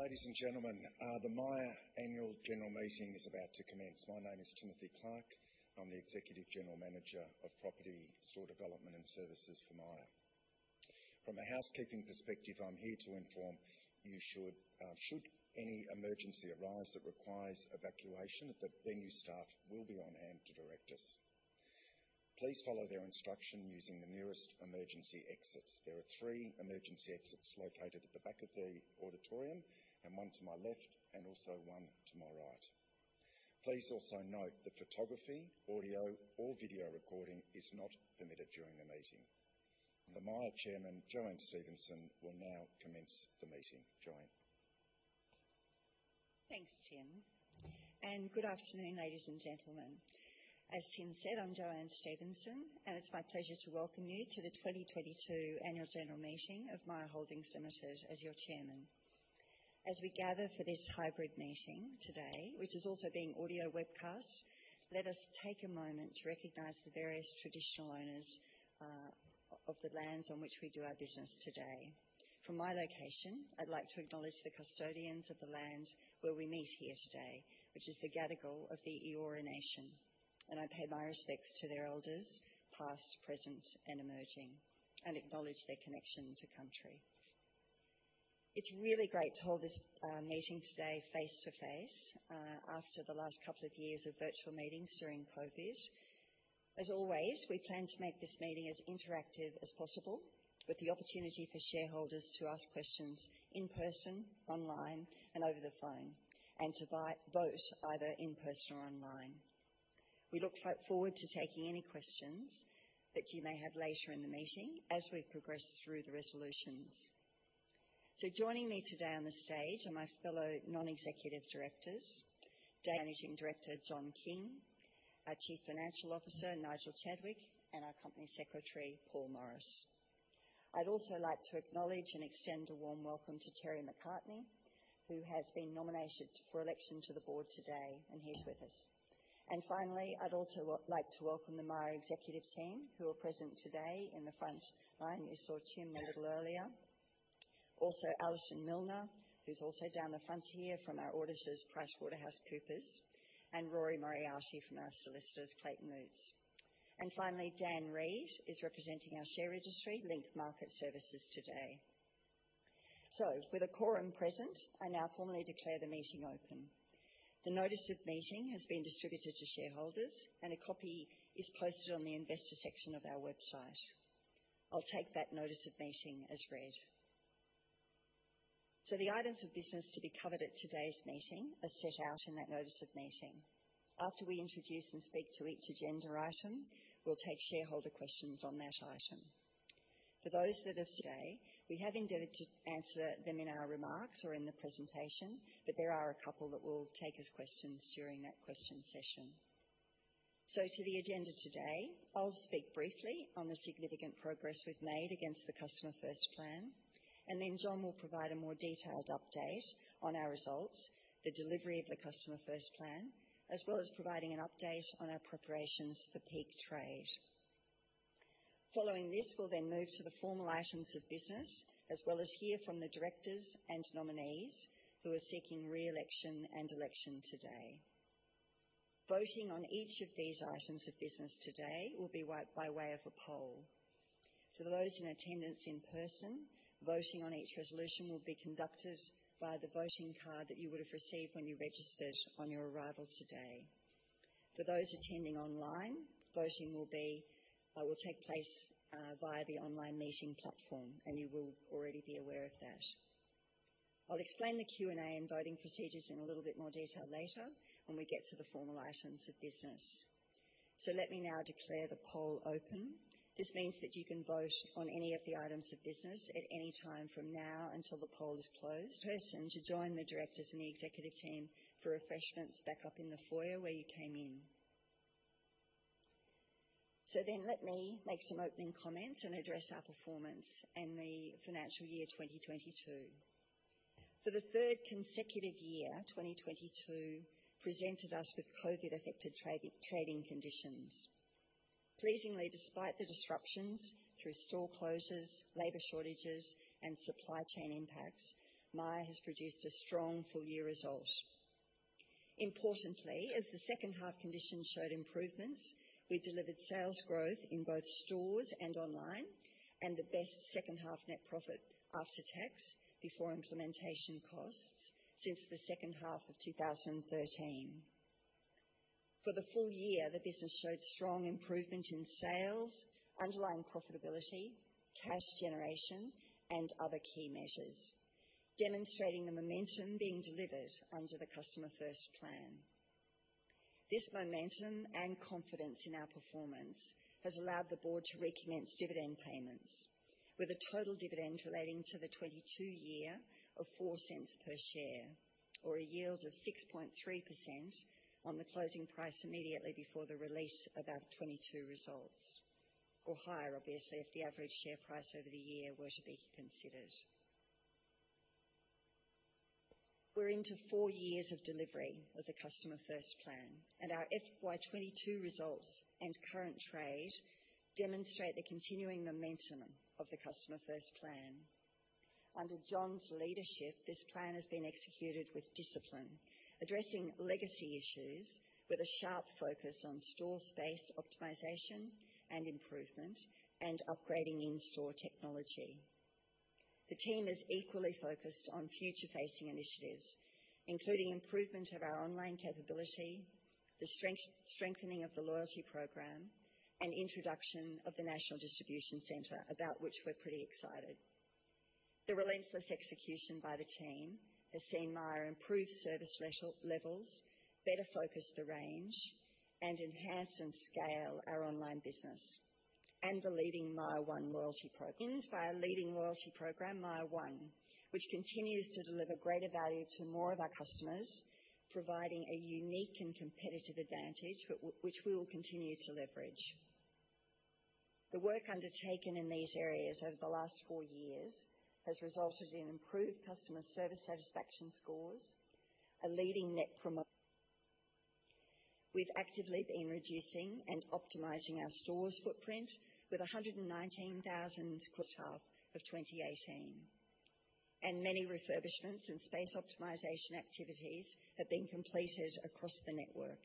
Ladies and gentlemen, the Myer Annual General Meeting is about to commence. My name is Timothy Clark. I'm the Executive General Manager of Property Store Development and Services for Myer. From a housekeeping perspective, I'm here to inform you should any emergency arise that requires evacuation, the venue staff will be on hand to direct us. Please follow their instruction using the nearest emergency exits. There are three emergency exits located at the back of the auditorium, and one to my left and also one to my right. Please also note that photography, audio, or video recording is not permitted during the meeting. The Myer Chairman, JoAnne Stephenson, will now commence the meeting. JoAnne. Thanks, Tim, and good afternoon, ladies and gentlemen. As Tim said, I'm JoAnne Stephenson, and it's my pleasure to welcome you to the 2022 annual general meeting of Myer Holdings Limited as your chairman. As we gather for this hybrid meeting today, which is also being audio webcast, let us take a moment to recognize the various traditional owners of the lands on which we do our business today. From my location, I'd like to acknowledge the custodians of the land where we meet here today, which is the Gadigal of the Eora Nation, and I pay my respects to their elders, past, present and emerging, and acknowledge their connection to country. It's really great to hold this meeting today face-to-face after the last couple of years of virtual meetings during COVID. As always, we plan to make this meeting as interactive as possible with the opportunity for shareholders to ask questions in person, online, and over the phone, and to vote either in person or online. We look forward to taking any questions that you may have later in the meeting as we progress through the resolutions. Joining me today on the stage are my fellow non-executive directors, Managing Director John King, our Chief Financial Officer Nigel Chadwick, and our Company Secretary Paul Morris. I'd also like to acknowledge and extend a warm welcome to Terry McCartney, who has been nominated for election to the board today, and he's with us. Finally, I'd also like to welcome the Myer executive team who are present today in the front line. You saw Tim a little earlier. Alison Milner, who's also down the front here from our auditors, PricewaterhouseCoopers, and Rory Moriarty from our solicitors, Clayton Utz. Finally, Dan Reid is representing our share registry Link Market Services today. With a quorum present, I now formally declare the meeting open. The notice of meeting has been distributed to shareholders and a copy is posted on the investor section of our website. I'll take that notice of meeting as read. The items of business to be covered at today's meeting are set out in that notice of meeting. After we introduce and speak to each agenda item, we'll take shareholder questions on that item. For those with us today, we have endeavored to answer them in our remarks or in the presentation, but there are a couple that we'll take as questions during that question session. To the agenda today, I'll speak briefly on the significant progress we've made against the Customer First Plan, and then John will provide a more detailed update on our results, the delivery of the Customer First Plan, as well as providing an update on our preparations for peak trade. Following this, we'll then move to the formal items of business, as well as hear from the directors and nominees who are seeking re-election and election today. Voting on each of these items of business today will be by way of a poll. For those in attendance in person, voting on each resolution will be conducted via the voting card that you would have received when you registered on your arrival today. For those attending online, voting will take place via the online meeting platform, and you will already be aware of that. I'll explain the Q&A and voting procedures in a little bit more detail later when we get to the formal items of business. Let me now declare the poll open. This means that you can vote on any of the items of business at any time from now until the poll is closed. Please join the directors and the executive team for refreshments back up in the foyer where you came in. Let me make some opening comments and address our performance in the financial year 2022. For the third consecutive year, 2022 presented us with COVID-affected trading conditions. Pleasingly, despite the disruptions through store closures, labor shortages, and supply chain impacts, Myer has produced a strong full-year result. Importantly, as the second half conditions showed improvements, we delivered sales growth in both stores and online and the best second half net profit after tax before implementation costs since the second half of 2013. For the full year, the business showed strong improvement in sales, underlying profitability, cash generation, and other key measures, demonstrating the momentum being delivered under the Customer First Plan. This momentum and confidence in our performance has allowed the board to recommence dividend payments with a total dividend relating to the 2022 year of 0.04 per share, or a yield of 6.3% on the closing price immediately before the release of our 2022 results or higher obviously if the average share price over the year were to be considered. We're into four years of delivery of the Customer First Plan and our FY 22 results and current trading demonstrate the continuing momentum of the Customer First Plan. Under John's leadership, this plan has been executed with discipline, addressing legacy issues with a sharp focus on store space optimization and improvement, and upgrading in-store technology. The team is equally focused on future-facing initiatives, including improvement of our online capability, the strengthening of the loyalty program, and introduction of the national distribution center, about which we're pretty excited. The relentless execution by the team has seen Myer improve service levels, better focus the range, and enhance and scale our online business. The leading Myer One loyalty program. Underpinned by our leading loyalty program, Myer One, which continues to deliver greater value to more of our customers, providing a unique and competitive advantage which we will continue to leverage. The work undertaken in these areas over the last four years has resulted in improved customer service satisfaction scores, a leading net promoter. We've actively been reducing and optimizing our stores' footprint with 119,000 sq ft of 2018. Many refurbishments and space optimization activities have been completed across the network.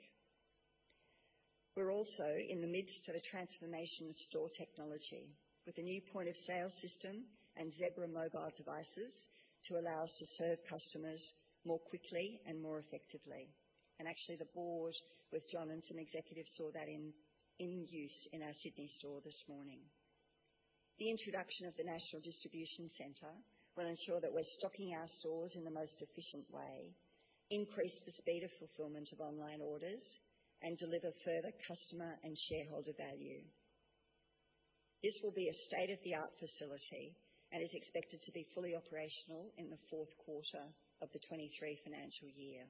We're also in the midst of a transformation of store technology with a new point-of-sale system and Zebra mobile devices to allow us to serve customers more quickly and more effectively. Actually, the board with John and some executives saw that in use in our Sydney store this morning. The introduction of the national distribution center will ensure that we're stocking our stores in the most efficient way, increase the speed of fulfillment of online orders, and deliver further customer and shareholder value. This will be a state-of-the-art facility and is expected to be fully operational in the fourth quarter of the 2023 financial year.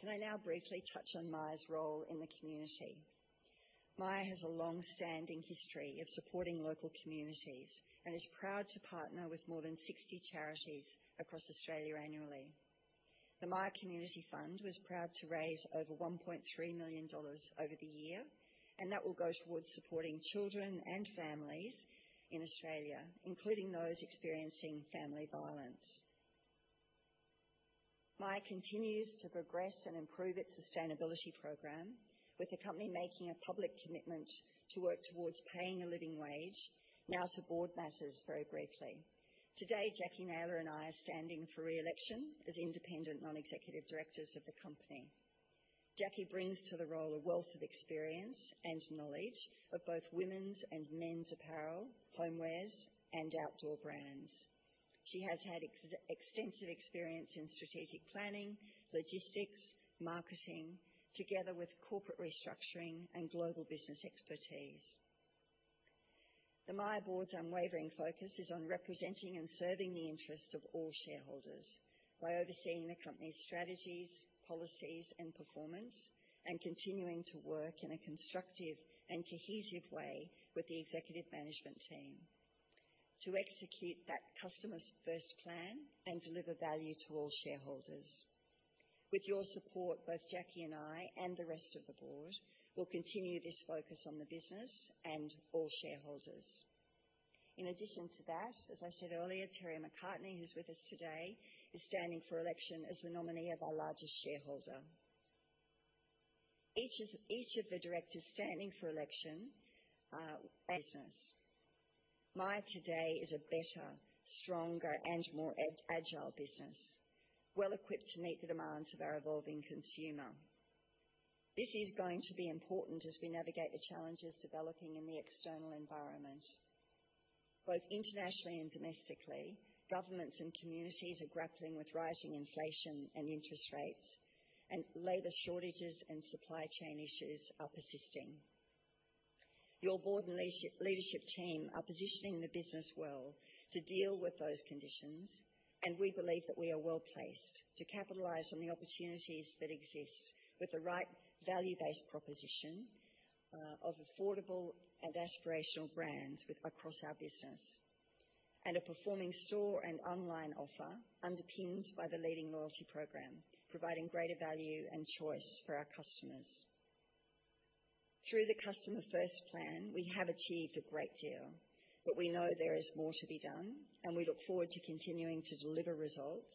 Can I now briefly touch on Myer's role in the community? Myer has a long-standing history of supporting local communities and is proud to partner with more than 60 charities across Australia annually. The Myer Community Fund was proud to raise over 1.3 million dollars over the year, and that will go towards supporting children and families in Australia, including those experiencing family violence. Myer continues to progress and improve its sustainability program, with the company making a public commitment to work towards paying a living wage. Now to board matters very briefly. Today, Jacquie Naylor and I are standing for re-election as independent non-executive directors of the company. Jacquie brings to the role a wealth of experience and knowledge of both women's and men's apparel, homewares, and outdoor brands. She has had extensive experience in strategic planning, logistics, marketing, together with corporate restructuring and global business expertise. The Myer board's unwavering focus is on representing and serving the interests of all shareholders by overseeing the company's strategies, policies, and performance, and continuing to work in a constructive and cohesive way with the executive management team to execute that Customer First Plan and deliver value to all shareholders. With your support, both Jacquie and I, and the rest of the board, will continue this focus on the business and all shareholders. In addition to that, as I said earlier, Terry McCartney, who's with us today, is standing for election as the nominee of our largest shareholder. Each is... Each of the directors standing for election, Myer today is a better, stronger, and more agile business, well-equipped to meet the demands of our evolving consumer. This is going to be important as we navigate the challenges developing in the external environment. Both internationally and domestically, governments and communities are grappling with rising inflation and interest rates, and labor shortages and supply chain issues are persisting. Your board and leadership team are positioning the business well to deal with those conditions, and we believe that we are well-placed to capitalize on the opportunities that exist with the right value-based proposition, of affordable and aspirational brands across our business, and a performing store and online offer underpinned by the leading loyalty program, providing greater value and choice for our customers. Through the Customer First Plan, we have achieved a great deal, but we know there is more to be done, and we look forward to continuing to deliver results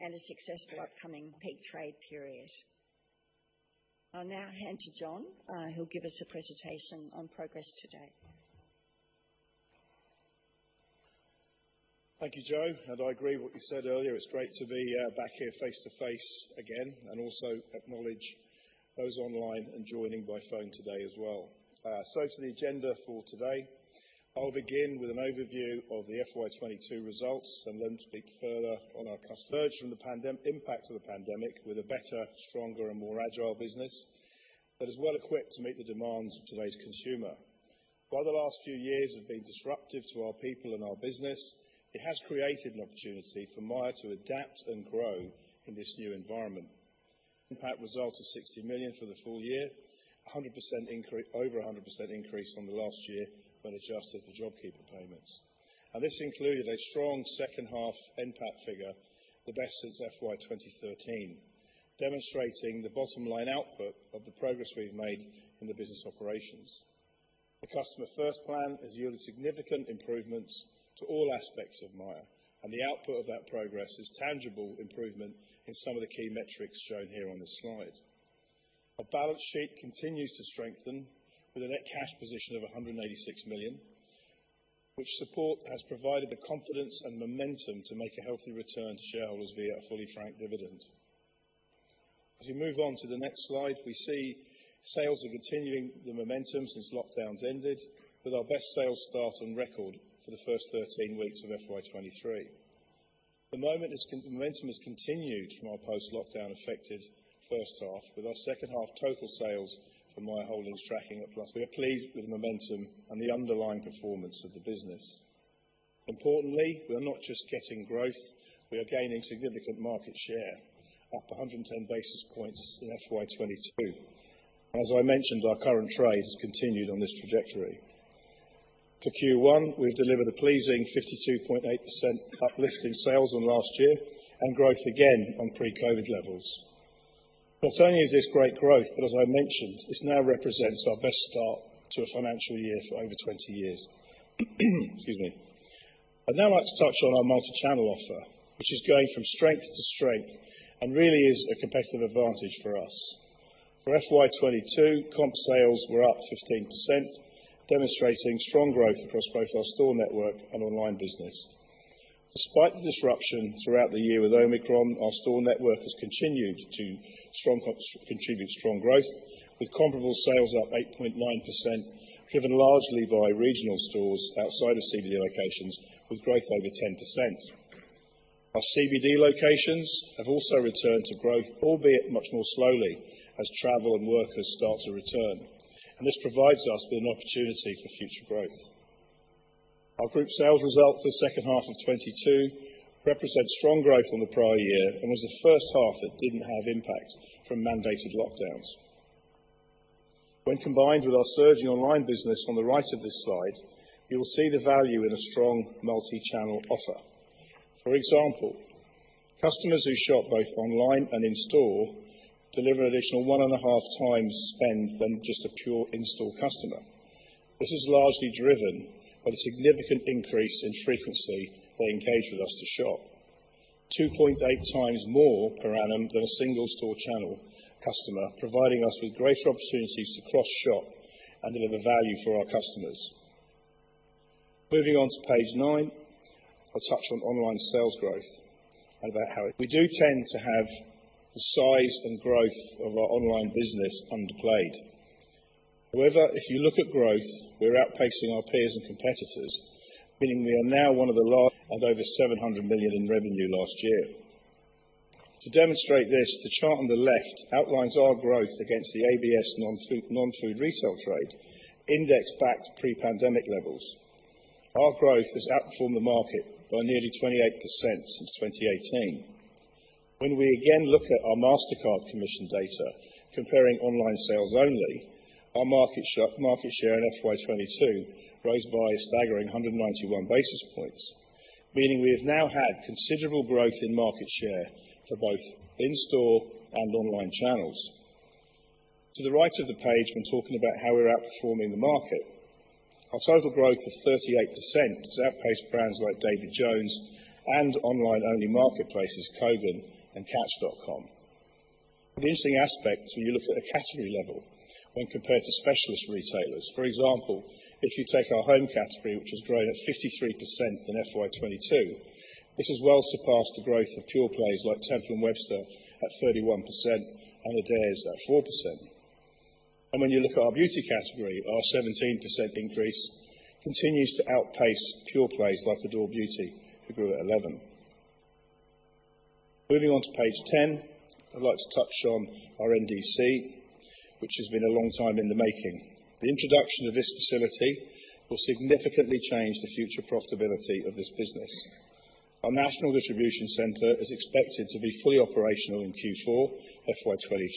and a successful upcoming peak trade period. I'll now hand to John, who'll give us a presentation on progress today. Thank you, Jo. I agree with what you said earlier. It's great to be back here face-to-face again and also acknowledge those online and joining by phone today as well. To the agenda for today. I'll begin with an overview of the FY 2022 results and then speak further on our emerge from the impact of the pandemic with a better, stronger, and more agile business that is well-equipped to meet the demands of today's consumer. While the last few years have been disruptive to our people and our business, it has created an opportunity for Myer to adapt and grow in this new environment. Impact result of 60 million for the full year, 100% increase. Over 100% increase from the last year when adjusted for JobKeeper payments. Now this included a strong second half NPAT figure, the best since FY 2013, demonstrating the bottom line output of the progress we've made in the business operations. The Customer First Plan has yielded significant improvements to all aspects of Myer, and the output of that progress is tangible improvement in some of the key metrics shown here on this slide. Our balance sheet continues to strengthen with a net cash position of 186 million, which support has provided the confidence and momentum to make a healthy return to shareholders via a fully franked dividend. As we move on to the next slide, we see sales are continuing the momentum since lockdowns ended with our best sales start on record for the first 13 weeks of FY 2023. Momentum has continued from our post-lockdown affected first half with our second half total sales from Myer Holdings tracking. Plus, we are pleased with the momentum and the underlying performance of the business. Importantly, we are not just getting growth, we are gaining significant market share, up 110 basis points in FY 2022. As I mentioned, our current trading has continued on this trajectory. For Q1, we've delivered a pleasing 52.8% uplift in sales on last year and growth again on pre-COVID levels. Not only is this great growth, but as I mentioned, this now represents our best start to a financial year for over 20 years. Excuse me. I'd now like to touch on our multi-channel offer, which is going from strength to strength and really is a competitive advantage for us. For FY 2022, comp sales were up 15%, demonstrating strong growth across both our store network and online business. Despite the disruption throughout the year with Omicron, our store network has continued to contribute strong growth with comparable sales up 8.9%, driven largely by regional stores outside of CBD locations with growth over 10%. Our CBD locations have also returned to growth, albeit much more slowly as travel and workers start to return, and this provides us with an opportunity for future growth. Our group sales result for the second half of 2022 represents strong growth from the prior year and was the first half that didn't have impact from mandated lockdowns. When combined with our surging online business on the right of this slide, you will see the value in a strong multi-channel offer. For example, customers who shop both online and in store deliver additional 1.5 times spend than just a pure in-store customer. This is largely driven by the significant increase in frequency they engage with us to shop, 2.8 times more per annum than a single store channel customer, providing us with greater opportunities to cross-shop and deliver value for our customers. Moving on to page nine, I'll touch on online sales growth and about how it. We do tend to have the size and growth of our online business underplayed. However, if you look at growth, we are outpacing our peers and competitors, meaning we are now one of the largest and over 700 million in revenue last year. To demonstrate this, the chart on the left outlines our growth against the ABS Non-Food Retail Trade Index back to pre-pandemic levels. Our growth has outperformed the market by nearly 28% since 2018. When we again look at our Mastercard commission data comparing online sales only, our market share in FY 2022 rose by a staggering 191 basis points, meaning we have now had considerable growth in market share for both in-store and online channels. To the right of the page, when talking about how we're outperforming the market, our total growth of 38% has outpaced brands like David Jones and online-only marketplaces, Kogan.com and Catch. An interesting aspect when you look at a category level when compared to specialist retailers. For example, if you take our home category, which has grown at 53% in FY 2022, this has well surpassed the growth of pure plays like Temple & Webster at 31% and Adairs at 4%. When you look at our beauty category, our 17% increase continues to outpace pure plays like Adore Beauty, who grew at 11%. Moving on to page 10, I'd like to touch on our NDC, which has been a long time in the making. The introduction of this facility will significantly change the future profitability of this business. Our national distribution center is expected to be fully operational in Q4 FY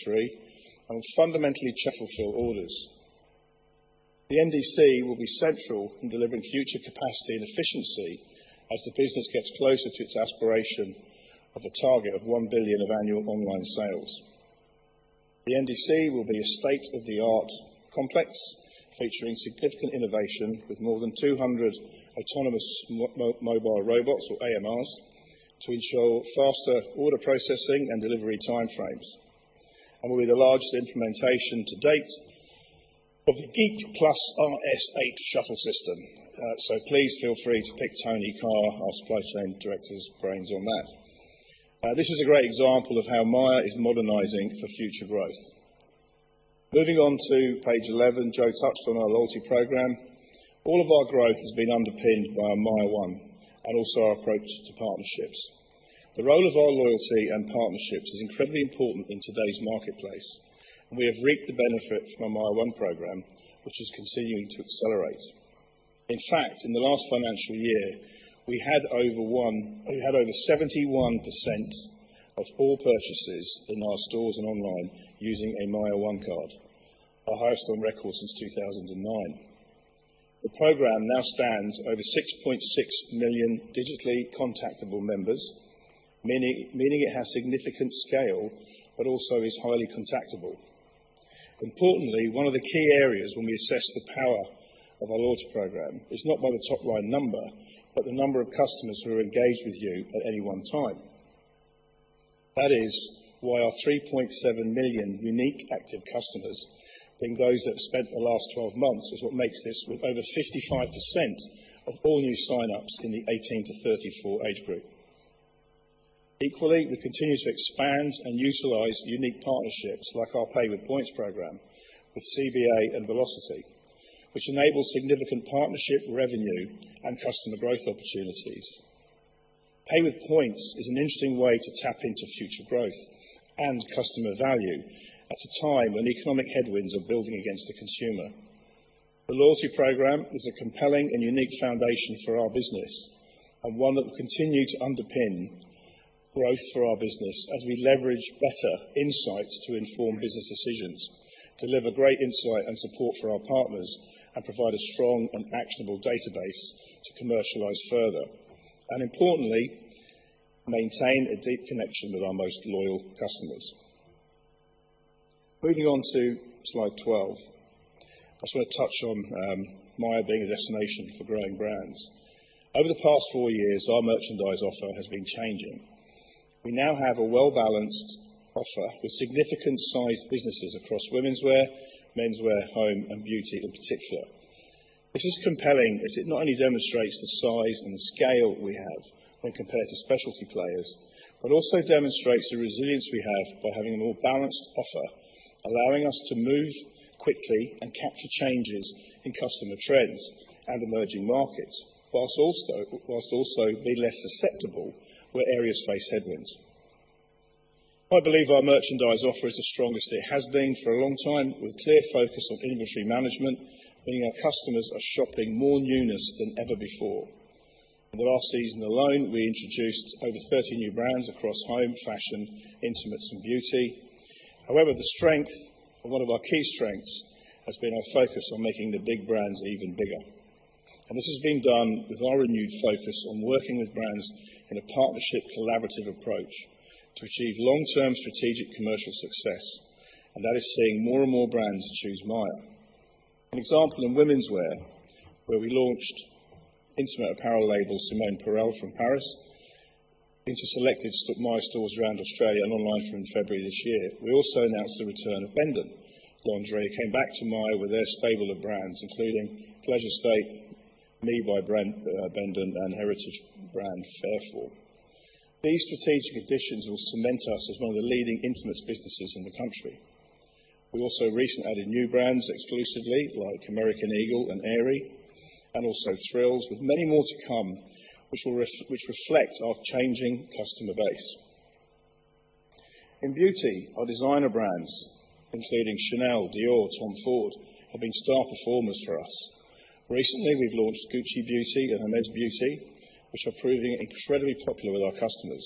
2023 and will fundamentally fulfill orders. The NDC will be central in delivering future capacity and efficiency as the business gets closer to its aspiration of a target of 1 billion of annual online sales. The NDC will be a state-of-the-art complex featuring significant innovation with more than 200 autonomous mobile robots, or AMRs, to ensure faster order processing and delivery timeframes, and will be the largest implementation to date of the Geek+ RS8 shuttle system. Please feel free to pick Tony Carr, our supply chain director's, brains on that. This is a great example of how Myer is modernizing for future growth. Moving on to page 11, Jo touched on our loyalty program. All of our growth has been underpinned by our Myer One and also our approach to partnerships. The role of our loyalty and partnerships is incredibly important in today's marketplace, and we have reaped the benefit from our Myer One program, which is continuing to accelerate. In fact, in the last financial year, we had over one... We had over 71% of all purchases in our stores and online using a Myer One card. Our highest on record since 2009. The program now stands over 6.6 million digitally contactable members, meaning it has significant scale but also is highly contactable. Importantly, one of the key areas when we assess the power of our loyalty program is not by the top-line number, but the number of customers who are engaged with you at any one time. That is why our 3.7 million unique active customers in those that have spent the last 12 months is what makes this with over 55% of all new sign-ups in the 18 to 34 age group. Equally, we continue to expand and utilize unique partnerships like our Pay with Points program with CBA and Velocity, which enables significant partnership revenue and customer growth opportunities. Pay with Points is an interesting way to tap into future growth and customer value at a time when economic headwinds are building against the consumer. The loyalty program is a compelling and unique foundation for our business, and one that will continue to underpin growth for our business as we leverage better insights to inform business decisions, deliver great insight and support for our partners, and provide a strong and actionable database to commercialize further. Importantly, maintain a deep connection with our most loyal customers. Moving on to slide 12. I just want to touch on Myer being a destination for growing brands. Over the past four years, our merchandise offer has been changing. We now have a well-balanced offer with significant sized businesses across womenswear, menswear, home, and beauty in particular. This is compelling as it not only demonstrates the size and scale we have when compared to specialty players, but also demonstrates the resilience we have by having a more balanced offer, allowing us to move quickly and capture changes in customer trends and emerging markets, while also be less susceptible where areas face headwinds. I believe our merchandise offer is the strongest it has been for a long time, with a clear focus on inventory management, meaning our customers are shopping more newness than ever before. In the last season alone, we introduced over 30 new brands across home, fashion, intimates, and beauty. However, the strength or one of our key strengths has been our focus on making the big brands even bigger. This has been done with our renewed focus on working with brands in a partnership collaborative approach to achieve long-term strategic commercial success, and that is seeing more and more brands choose Myer. An example in womenswear, where we launched intimate apparel label Simone Pérèle from Paris into selected Myer stores around Australia and online from February this year. We also announced the return of Bendon Lingerie, who came back to Myer with their stable of brands, including Pleasure State, me. by Bendon, and heritage brand Fayreform. These strategic additions will cement us as one of the leading intimates businesses in the country. We also recently added new brands exclusively, like American Eagle and Aerie, and also Thrills, with many more to come which will reflect our changing customer base. In beauty, our designer brands, including Chanel, Dior, Tom Ford, have been star performers for us. Recently, we've launched Gucci Beauty and Hermès Beauty, which are proving incredibly popular with our customers.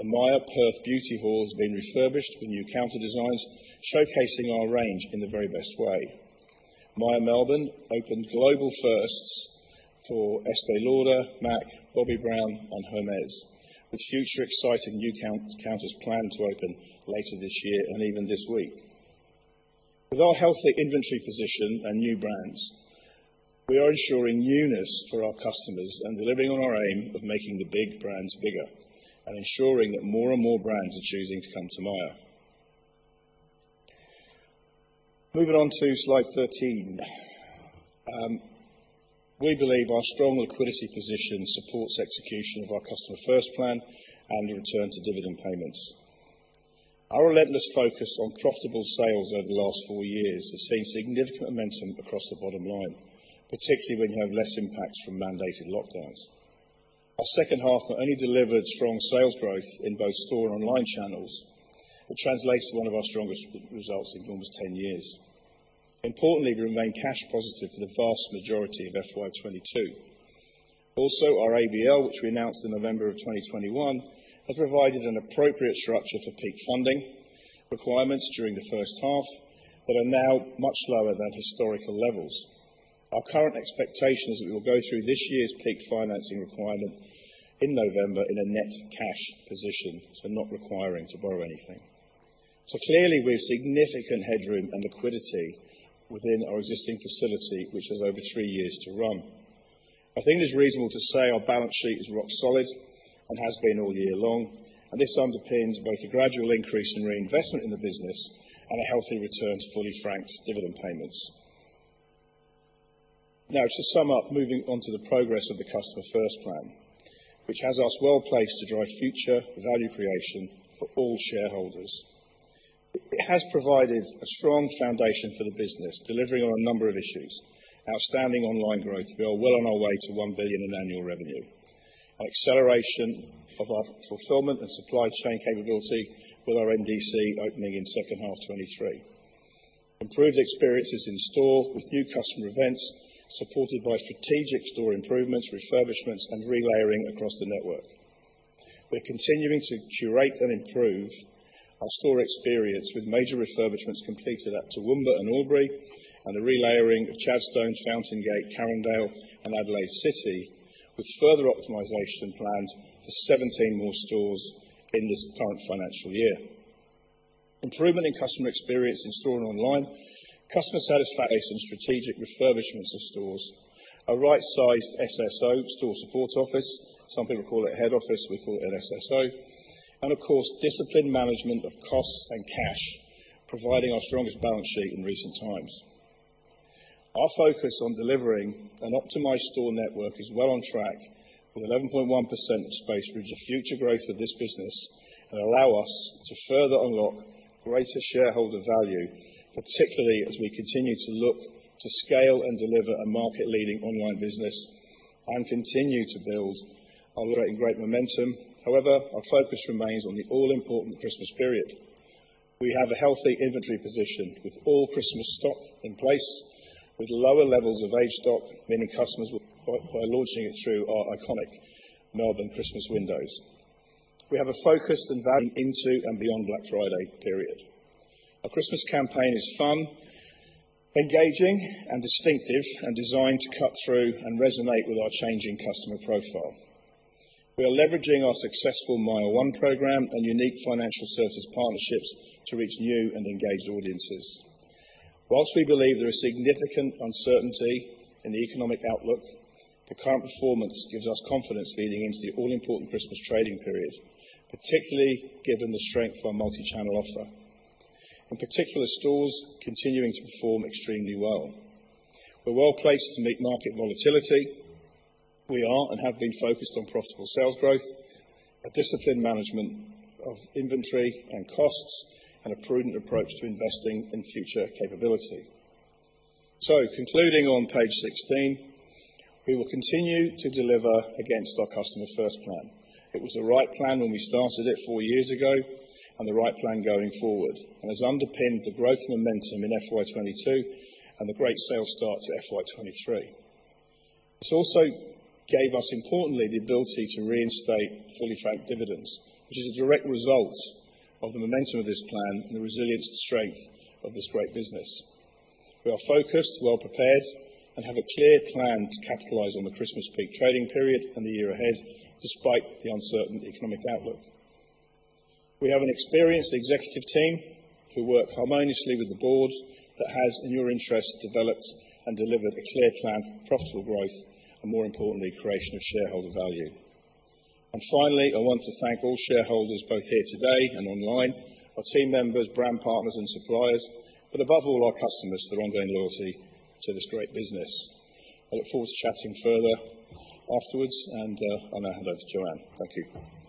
The Myer Perth Beauty Hall has been refurbished with new counter designs, showcasing our range in the very best way. Myer Melbourne opened global firsts for Estée Lauder, MAC, Bobbi Brown, and Hermès, with future exciting new counters planned to open later this year and even this week. With our healthy inventory position and new brands, we are ensuring newness for our customers and delivering on our aim of making the big brands bigger and ensuring that more and more brands are choosing to come to Myer. Moving on to slide 13. We believe our strong liquidity position supports execution of our Customer First Plan and the return to dividend payments. Our relentless focus on profitable sales over the last 4 years has seen significant momentum across the bottom line, particularly when you have less impacts from mandated lockdowns. Our second half not only delivered strong sales growth in both store and online channels, it translates to one of our strongest results in almost 10 years. Importantly, we remain cash positive for the vast majority of FY 2022. Also, our ABL, which we announced in November 2021, has provided an appropriate structure for peak funding requirements during the first half, but are now much lower than historical levels. Our current expectation is that we will go through this year's peak financing requirement in November in a net cash position, so not requiring to borrow anything. Clearly, we have significant headroom and liquidity within our existing facility, which has over three years to run. I think it's reasonable to say our balance sheet is rock solid and has been all year long, and this underpins both a gradual increase in reinvestment in the business and a healthy return to fully franked dividend payments. Now to sum up, moving on to the progress of the Customer First Plan, which has us well placed to drive future value creation for all shareholders. It has provided a strong foundation for the business, delivering on a number of issues. Outstanding online growth. We are well on our way to 1 billion in annual revenue. An acceleration of our fulfillment and supply chain capability with our NDC opening in second half 2023. Improved experiences in store with new customer events supported by strategic store improvements, refurbishments, and relayering across the network. We're continuing to curate and improve our store experience with major refurbishments completed at Toowoomba and Albury and a relayering of Chadstone, Fountain Gate, Carindale, and Adelaide City, with further optimization plans for 17 more stores in this current financial year. Improvement in customer experience in-store and online, customer satisfaction, strategic refurbishments of stores, a right-sized SSO, store support office. Some people call it head office, we call it SSO. Of course, disciplined management of costs and cash, providing our strongest balance sheet in recent times. Our focus on delivering an optimized store network is well on track with 11.1% space for the future growth of this business and allow us to further unlock greater shareholder value, particularly as we continue to look to scale and deliver a market-leading online business and continue to build our great momentum. However, our focus remains on the all-important Christmas period. We have a healthy inventory position with all Christmas stock in place, with lower levels of aged stock, meaning by launching it through our iconic Melbourne Christmas windows. We have a focused and value-add into and beyond Black Friday period. Our Christmas campaign is fun, engaging, and distinctive, and designed to cut through and resonate with our changing customer profile. We are leveraging our successful Myer One program and unique financial services partnerships to reach new and engaged audiences. While we believe there is significant uncertainty in the economic outlook, the current performance gives us confidence leading into the all-important Christmas trading period, particularly given the strength of our multi-channel offer. In particular, stores continuing to perform extremely well. We're well-placed to meet market volatility. We are and have been focused on profitable sales growth, a disciplined management of inventory and costs, and a prudent approach to investing in future capability. Concluding on page 16, we will continue to deliver against our Customer First Plan. It was the right plan when we started it four years ago and the right plan going forward, and has underpinned the growth momentum in FY 2022 and the great sales start to FY 2023. This also gave us, importantly, the ability to reinstate fully franked dividends, which is a direct result of the momentum of this plan and the resilience and strength of this great business. We are focused, well prepared, and have a clear plan to capitalize on the Christmas peak trading period and the year ahead, despite the uncertain economic outlook. We have an experienced executive team who work harmoniously with the board that has, in your interest, developed and delivered a clear plan for profitable growth and, more importantly, creation of shareholder value. Finally, I want to thank all shareholders, both here today and online, our team members, brand partners, and suppliers, but above all, our customers for their ongoing loyalty to this great business. I look forward to chatting further afterwards, and I'll now hand over to JoAnne. Thank you.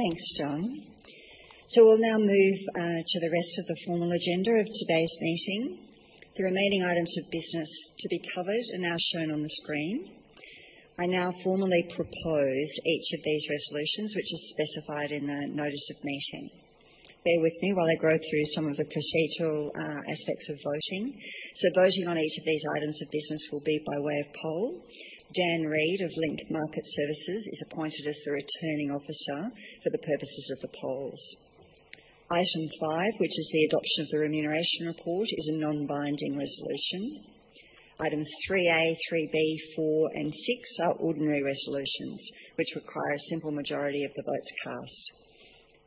Thanks, John. We'll now move to the rest of the formal agenda of today's meeting. The remaining items of business to be covered are now shown on the screen. I now formally propose each of these resolutions, which are specified in the notice of meeting. Bear with me while I go through some of the procedural aspects of voting. Voting on each of these items of business will be by way of poll. Dan Reid of Link Market Services is appointed as the Returning Officer for the purposes of the polls. Item 5, which is the adoption of the remuneration report, is a non-binding resolution. Items 3A, 3B, 4, and 6 are ordinary resolutions which require a simple majority of the votes cast.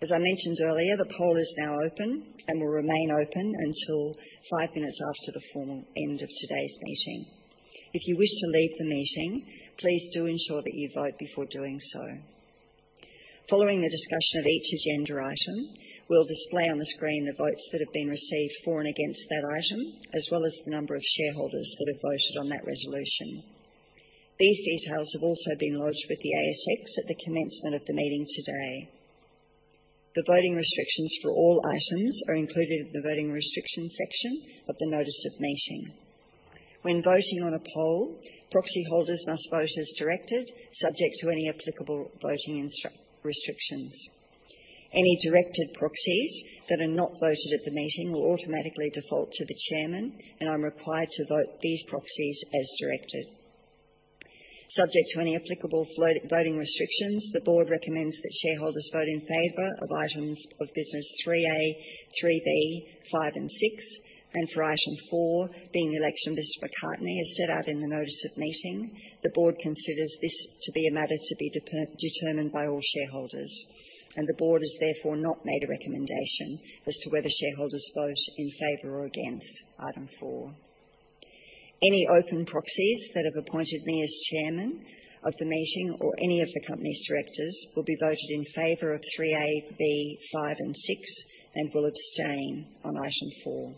As I mentioned earlier, the poll is now open and will remain open until five minutes after the formal end of today's meeting. If you wish to leave the meeting, please do ensure that you vote before doing so. Following the discussion of each agenda item, we'll display on the screen the votes that have been received for and against that item, as well as the number of shareholders that have voted on that resolution. These details have also been lodged with the ASX at the commencement of the meeting today. The voting restrictions for all items are included in the Voting Restriction section of the notice of meeting. When voting on a poll, proxy holders must vote as directed, subject to any applicable voting restrictions. Any directed proxies that are not voted at the meeting will automatically default to the chairman, and I'm required to vote these proxies as directed. Subject to any applicable vote, voting restrictions, the board recommends that shareholders vote in favor of items of business 3A, 3B, 5, and 6. For item 4, being the election of Mr. McCartney, as set out in the notice of meeting. The board considers this to be a matter to be determined by all shareholders, and the board has therefore not made a recommendation as to whether shareholders vote in favor or against Item 4. Any open proxies that have appointed me as Chairman of the meeting or any of the company's directors, will be voted in favor of 3A, 3B, 5, and 6 and will abstain on Item 4.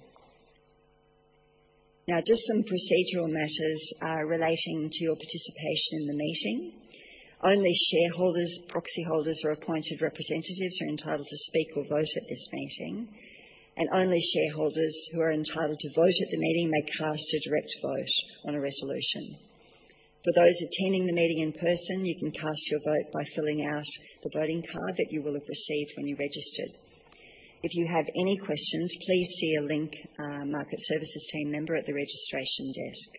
Now just some procedural matters relating to your participation in the meeting. Only shareholders, proxy holders or appointed representatives are entitled to speak or vote at this meeting, and only shareholders who are entitled to vote at the meeting may cast a direct vote on a resolution. For those attending the meeting in person, you can cast your vote by filling out the voting card that you will have received when you registered. If you have any questions, please see a Link Market Services team member at the registration desk.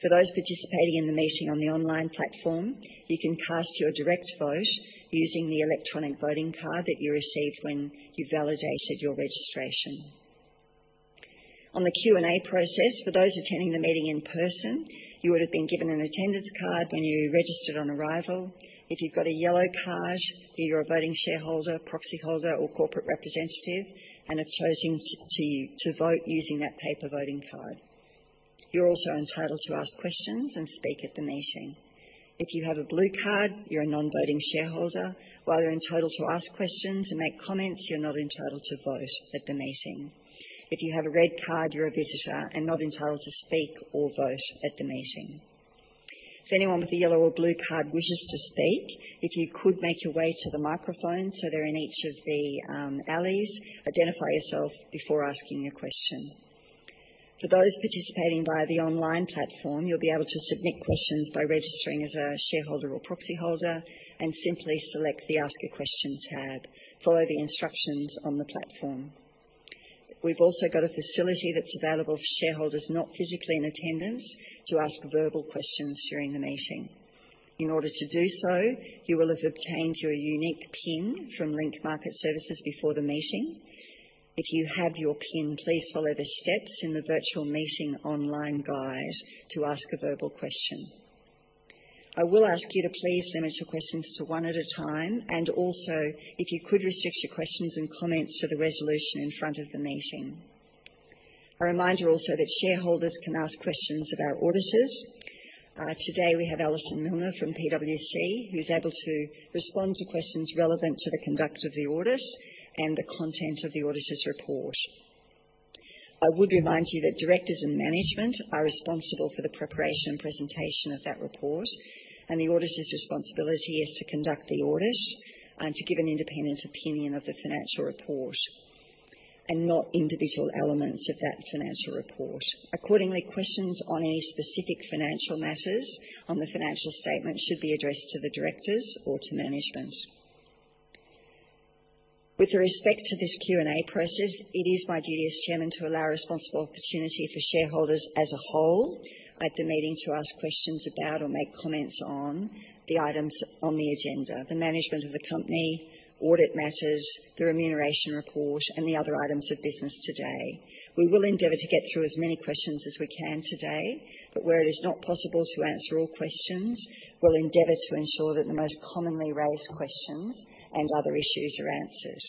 For those participating in the meeting on the online platform, you can cast your direct vote using the electronic voting card that you received when you validated your registration. On the Q&A process, for those attending the meeting in person, you would have been given an attendance card when you registered on arrival. If you've got a yellow card, you're a voting shareholder, proxy holder or corporate representative and have chosen to vote using that paper voting card. You're also entitled to ask questions and speak at the meeting. If you have a blue card, you're a non-voting shareholder. While you're entitled to ask questions and make comments, you're not entitled to vote at the meeting. If you have a red card, you're a visitor and not entitled to speak or vote at the meeting. If anyone with a yellow or blue card wishes to speak, you could make your way to the microphone, so they're in each of the alleys. Identify yourself before asking your question. For those participating via the online platform, you'll be able to submit questions by registering as a shareholder or proxy holder and simply select the Ask a Question tab. Follow the instructions on the platform. We've also got a facility that's available for shareholders not physically in attendance to ask verbal questions during the meeting. In order to do so, you will have obtained your unique PIN from Link Market Services before the meeting. If you have your PIN, please follow the steps in the virtual meeting online guide to ask a verbal question. I will ask you to please limit your questions to one at a time and also if you could restrict your questions and comments to the resolution in front of the meeting. A reminder also that shareholders can ask questions of our auditors. Today we have Alison Milner from PwC, who's able to respond to questions relevant to the conduct of the audit and the content of the auditor's report. I would remind you that directors and management are responsible for the preparation and presentation of that report, and the auditor's responsibility is to conduct the audit and to give an independent opinion of the financial report and not individual elements of that financial report. Accordingly, questions on any specific financial matters on the financial statement should be addressed to the directors or to management. With respect to this Q&A process, it is my duty as chairman to allow a responsible opportunity for shareholders as a whole at the meeting to ask questions about or make comments on the items on the agenda, the management of the company, audit matters, the remuneration report and the other items of business today. We will endeavor to get through as many questions as we can today, but where it is not possible to answer all questions, we'll endeavor to ensure that the most commonly raised questions and other issues are answered.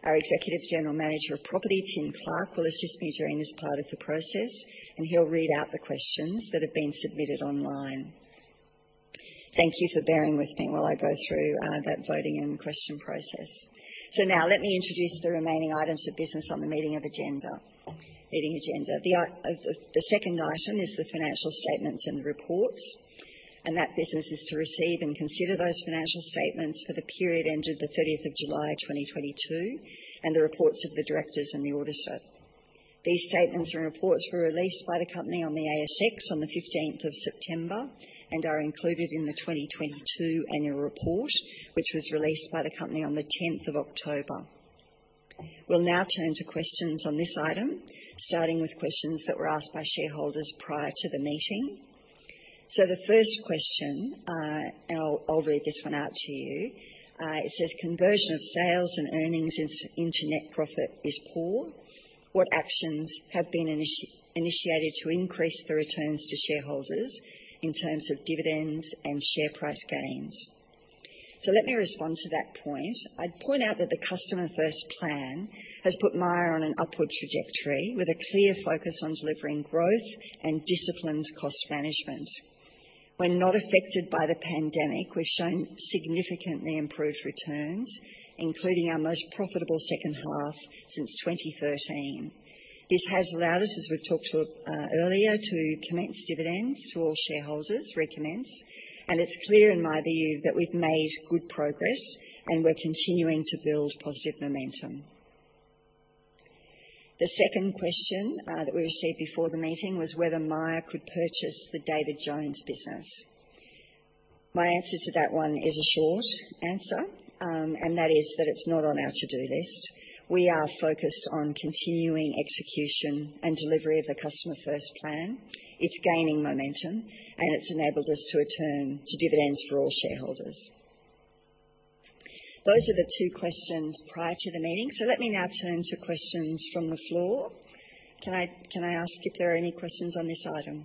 Our Executive General Manager of Property, Timothy Clark, will assist me during this part of the process, and he'll read out the questions that have been submitted online. Thank you for bearing with me while I go through that voting and question process. Now let me introduce the remaining items of business on the meeting agenda. The second item is the financial statements and reports, and that business is to receive and consider those financial statements for the period ended the thirtieth of July, twenty twenty-two, and the reports of the directors and the auditor. These statements and reports were released by the company on the ASX on the 15th of September and are included in the 2022 annual report, which was released by the company on the 10th of October. We'll now turn to questions on this item, starting with questions that were asked by shareholders prior to the meeting. The first question, and I'll read this one out to you. It says, "Conversion of sales and earnings into net profit is poor. What actions have been initiated to increase the returns to shareholders in terms of dividends and share price gains?" Let me respond to that point. I'd point out that the Customer First Plan has put Myer on an upward trajectory with a clear focus on delivering growth and disciplined cost management. When not affected by the pandemic, we've shown significantly improved returns, including our most profitable second half since 2013. This has allowed us, as we've talked to earlier, to recommence dividends to all shareholders. It's clear in my view that we've made good progress and we're continuing to build positive momentum. The second question that we received before the meeting was whether Myer could purchase the David Jones business. My answer to that one is a short answer, and that is that it's not on our to-do list. We are focused on continuing execution and delivery of the Customer First Plan. It's gaining momentum, and it's enabled us to return to dividends for all shareholders. Those are the two questions prior to the meeting. Let me now turn to questions from the floor. Can I ask if there are any questions on this item?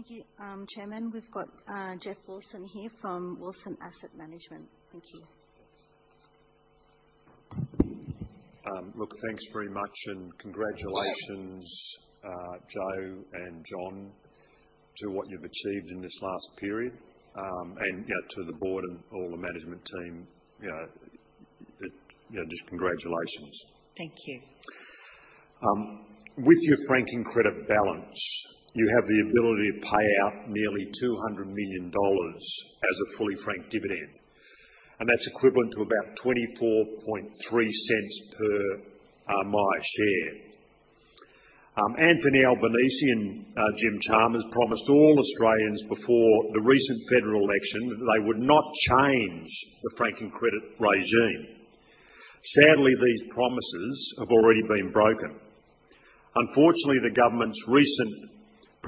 Thank you, Chairman. We've got Geoff Wilson here from Wilson Asset Management. Thank you. Look, thanks very much and congratulations, Jo and John, to what you've achieved in this last period. You know, to the board and all the management team, you know, just congratulations. Thank you. With your franking credit balance, you have the ability to pay out nearly 200 million dollars as a fully franked dividend, and that's equivalent to about 0.243 per Myer share. Anthony Albanese and Jim Chalmers promised all Australians before the recent federal election that they would not change the franking credit regime. Sadly, these promises have already been broken. Unfortunately, the government's recent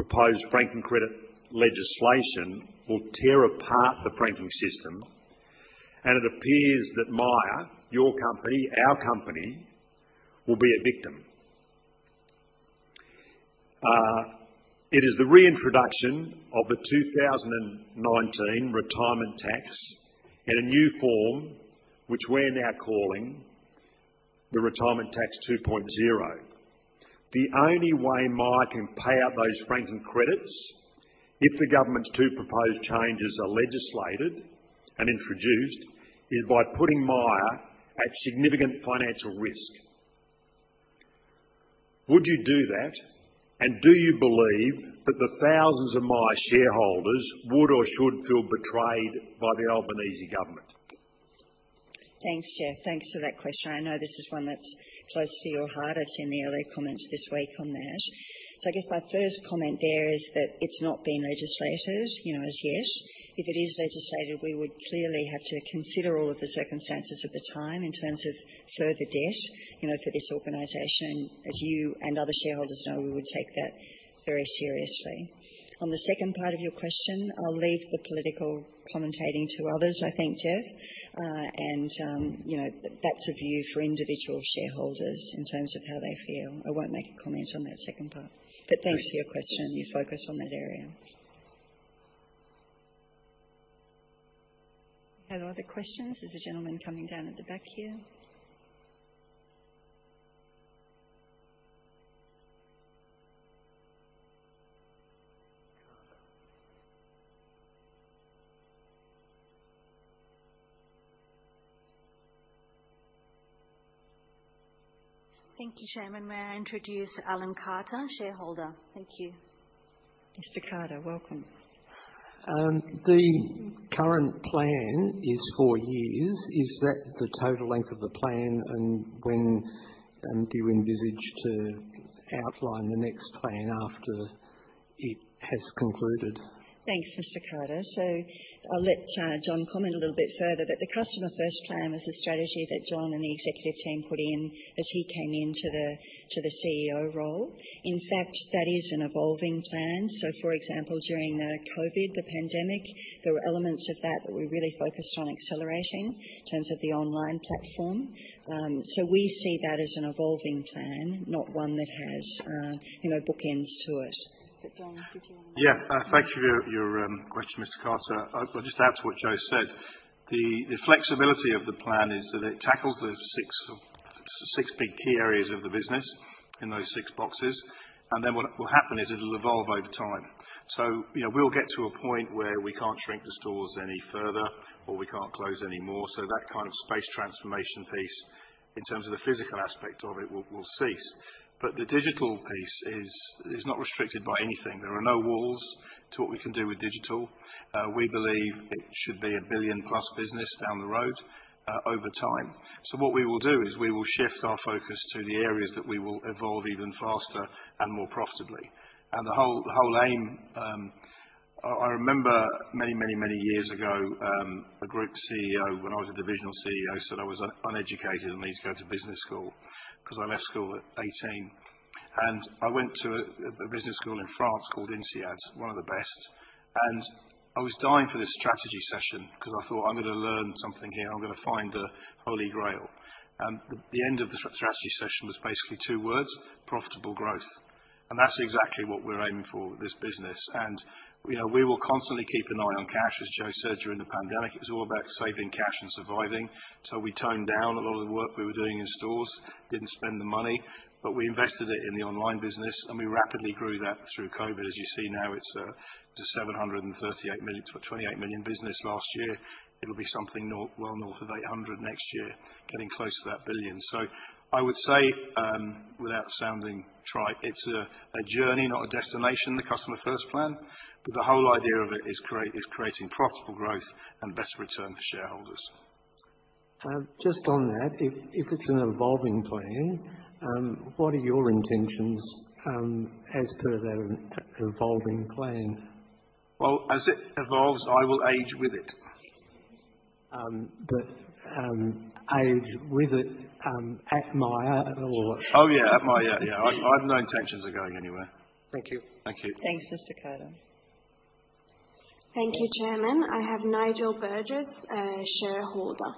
proposed franking credit legislation will tear apart the franking system, and it appears that Myer, your company, our company, will be a victim. It is the reintroduction of the 2019 retirement tax in a new form, which we're now calling the Retirement Tax 2.0. The only way Myer can pay out those franking credits if the government's two proposed changes are legislated and introduced, is by putting Myer at significant financial risk. Would you do that? Do you believe that the thousands of Myer shareholders would or should feel betrayed by the Albanese government? Thanks, Geoff. Thanks for that question. I know this is one that's close to your heart. I've seen the early comments this week on that. I guess my first comment there is that it's not been legislated, you know, as yet. If it is legislated, we would clearly have to consider all of the circumstances at the time in terms of further debt, you know, for this organization. As you and other shareholders know, we would take that very seriously. On the second part of your question, I'll leave the political commentating to others, I think, Geoff. You know, that's a view for individual shareholders in terms of how they feel. I won't make a comment on that second part. Thanks for your question. You focus on that area. Any other questions? There's a gentleman coming down at the back here. Thank you, Chairman. May I introduce Alan Carter, shareholder. Thank you. Mr. Carter, welcome. The current plan is four years. Is that the total length of the plan? When do you envisage to outline the next plan after it has concluded? Thanks, Mr. Carter. I'll let John comment a little bit further. The Customer First Plan is a strategy that John and the executive team put in as he came into the CEO role. In fact, that is an evolving plan. For example, during COVID, the pandemic, there were elements of that that we really focused on accelerating in terms of the online platform. We see that as an evolving plan, not one that has, you know, bookends to it. John, did you want to- Yeah. Thanks for your question, Mr. Carter. I'll just add to what Jo said. The flexibility of the plan is that it tackles the six big key areas of the business in those six boxes. What will happen is it'll evolve over time. You know, we'll get to a point where we can't shrink the stores any further or we can't close any more. That kind of space transformation piece in terms of the physical aspect of it will cease. The digital piece is not restricted by anything. There are no walls to what we can do with digital. We believe it should be a billion-plus business down the road, over time. What we will do is we will shift our focus to the areas that we will evolve even faster and more profitably. The whole aim, I remember many years ago, a group CEO when I was a divisional CEO, said I was uneducated and needed to go to business school because I left school at 18. I went to a business school in France called INSEAD, one of the best. I was dying for this strategy session because I thought, "I'm gonna learn something here. I'm gonna find the Holy Grail." The end of the strategy session was basically two words, profitable growth. That's exactly what we're aiming for with this business. You know, we will constantly keep an eye on cash. As Jo said, during the pandemic, it was all about saving cash and surviving. We toned down a lot of the work we were doing in stores, didn't spend the money, but we invested it in the online business and we rapidly grew that through COVID. As you see now, it's a 738 million, 28 million business last year. It'll be something north, well north of 800 million next year, getting close to 1 billion. I would say, without sounding trite, it's a journey, not a destination, the Customer First Plan. The whole idea of it is creating profitable growth and best return for shareholders. Just on that, if it's an evolving plan, what are your intentions as per that evolving plan? Well, as it evolves, I will age with it. age with it at Myer or. Oh yeah, at Myer. Yeah. I have no intentions of going anywhere. Thank you. Thank you. Thanks, Mr. Carter. Thank you, Chairman. I have Nigel Burgess, Shareholder.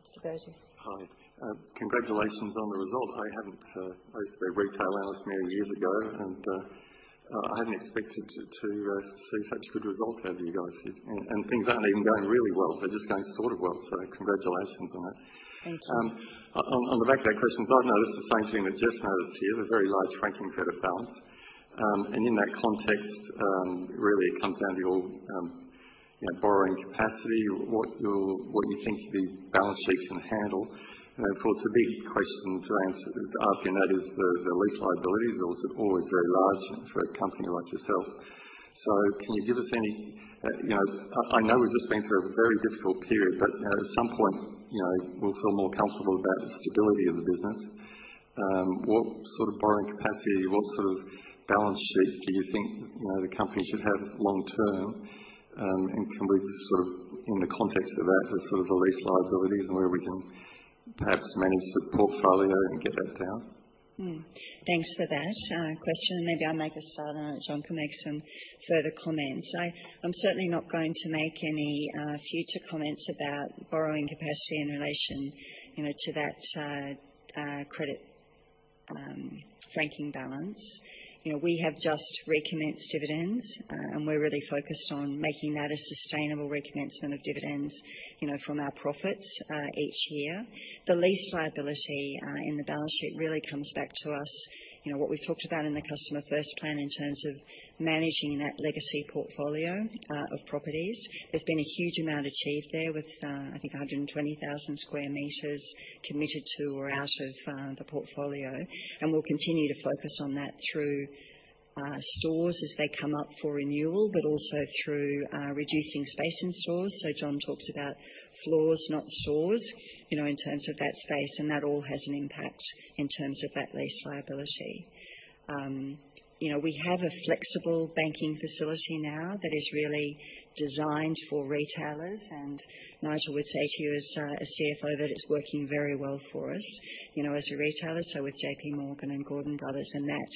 Mr. Burgess. Hi. Congratulations on the result. I haven't, I used to be a retailer many years ago, and I hadn't expected to see such good result out of you guys. Things aren't even going really well. They're just going sort of well, so congratulations on that. Thank you. On the back of that question, I've noticed the same thing that Geoff noticed here, the very large franking credit balance. In that context, really it comes down to your you know, borrowing capacity, what you think your balance sheet can handle. You know, of course, the big question to answer is that the lease liabilities are also always very large for a company like yourself. Can you give us any, you know, I know we've just been through a very difficult period, but you know, at some point, you know, we'll feel more comfortable about the stability of the business. What sort of borrowing capacity, what sort of balance sheet do you think, you know, the company should have long term? Can we sort of in the context of that, the sort of lease liabilities and where we can perhaps manage the portfolio and get that down? Thanks for that question. Maybe I'll make a start on it. John can make some further comments. I'm certainly not going to make any future comments about borrowing capacity in relation, you know, to that credit ranking balance. You know, we have just recommenced dividends, and we're really focused on making that a sustainable recommencement of dividends, you know, from our profits each year. The lease liability in the balance sheet really comes back to us, you know, what we've talked about in the Customer First Plan in terms of managing that legacy portfolio of properties. There's been a huge amount achieved there with, I think 120,000 square meters committed to or out of the portfolio, and we'll continue to focus on that through stores as they come up for renewal, but also through reducing space in stores. John talks about floors, not stores, you know, in terms of that space, and that all has an impact in terms of that lease liability. You know, we have a flexible banking facility now that is really designed for retailers. Nigel would say to you as CFO that it's working very well for us, you know, as a retailer, so with JP Morgan and Gordon Brothers, and that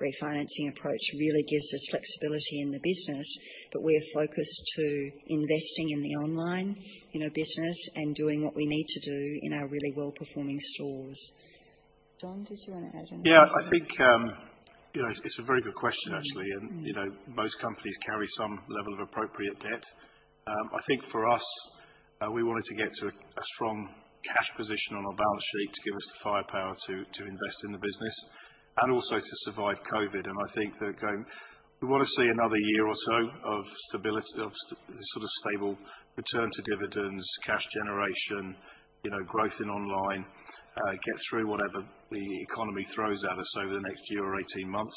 refinancing approach really gives us flexibility in the business. We're focused to investing in the online, you know, business and doing what we need to do in our really well-performing stores. John, did you wanna add anything? Yeah. I think, you know, it's a very good question actually. Mm. Mm. You know, most companies carry some level of appropriate debt. I think for us, we wanted to get to a strong cash position on our balance sheet to give us the firepower to invest in the business and also to survive COVID. I think we wanna see another year or so of stability, of sort of stable return to dividends, cash generation, you know, growth in online, get through whatever the economy throws at us over the next year or 18 months.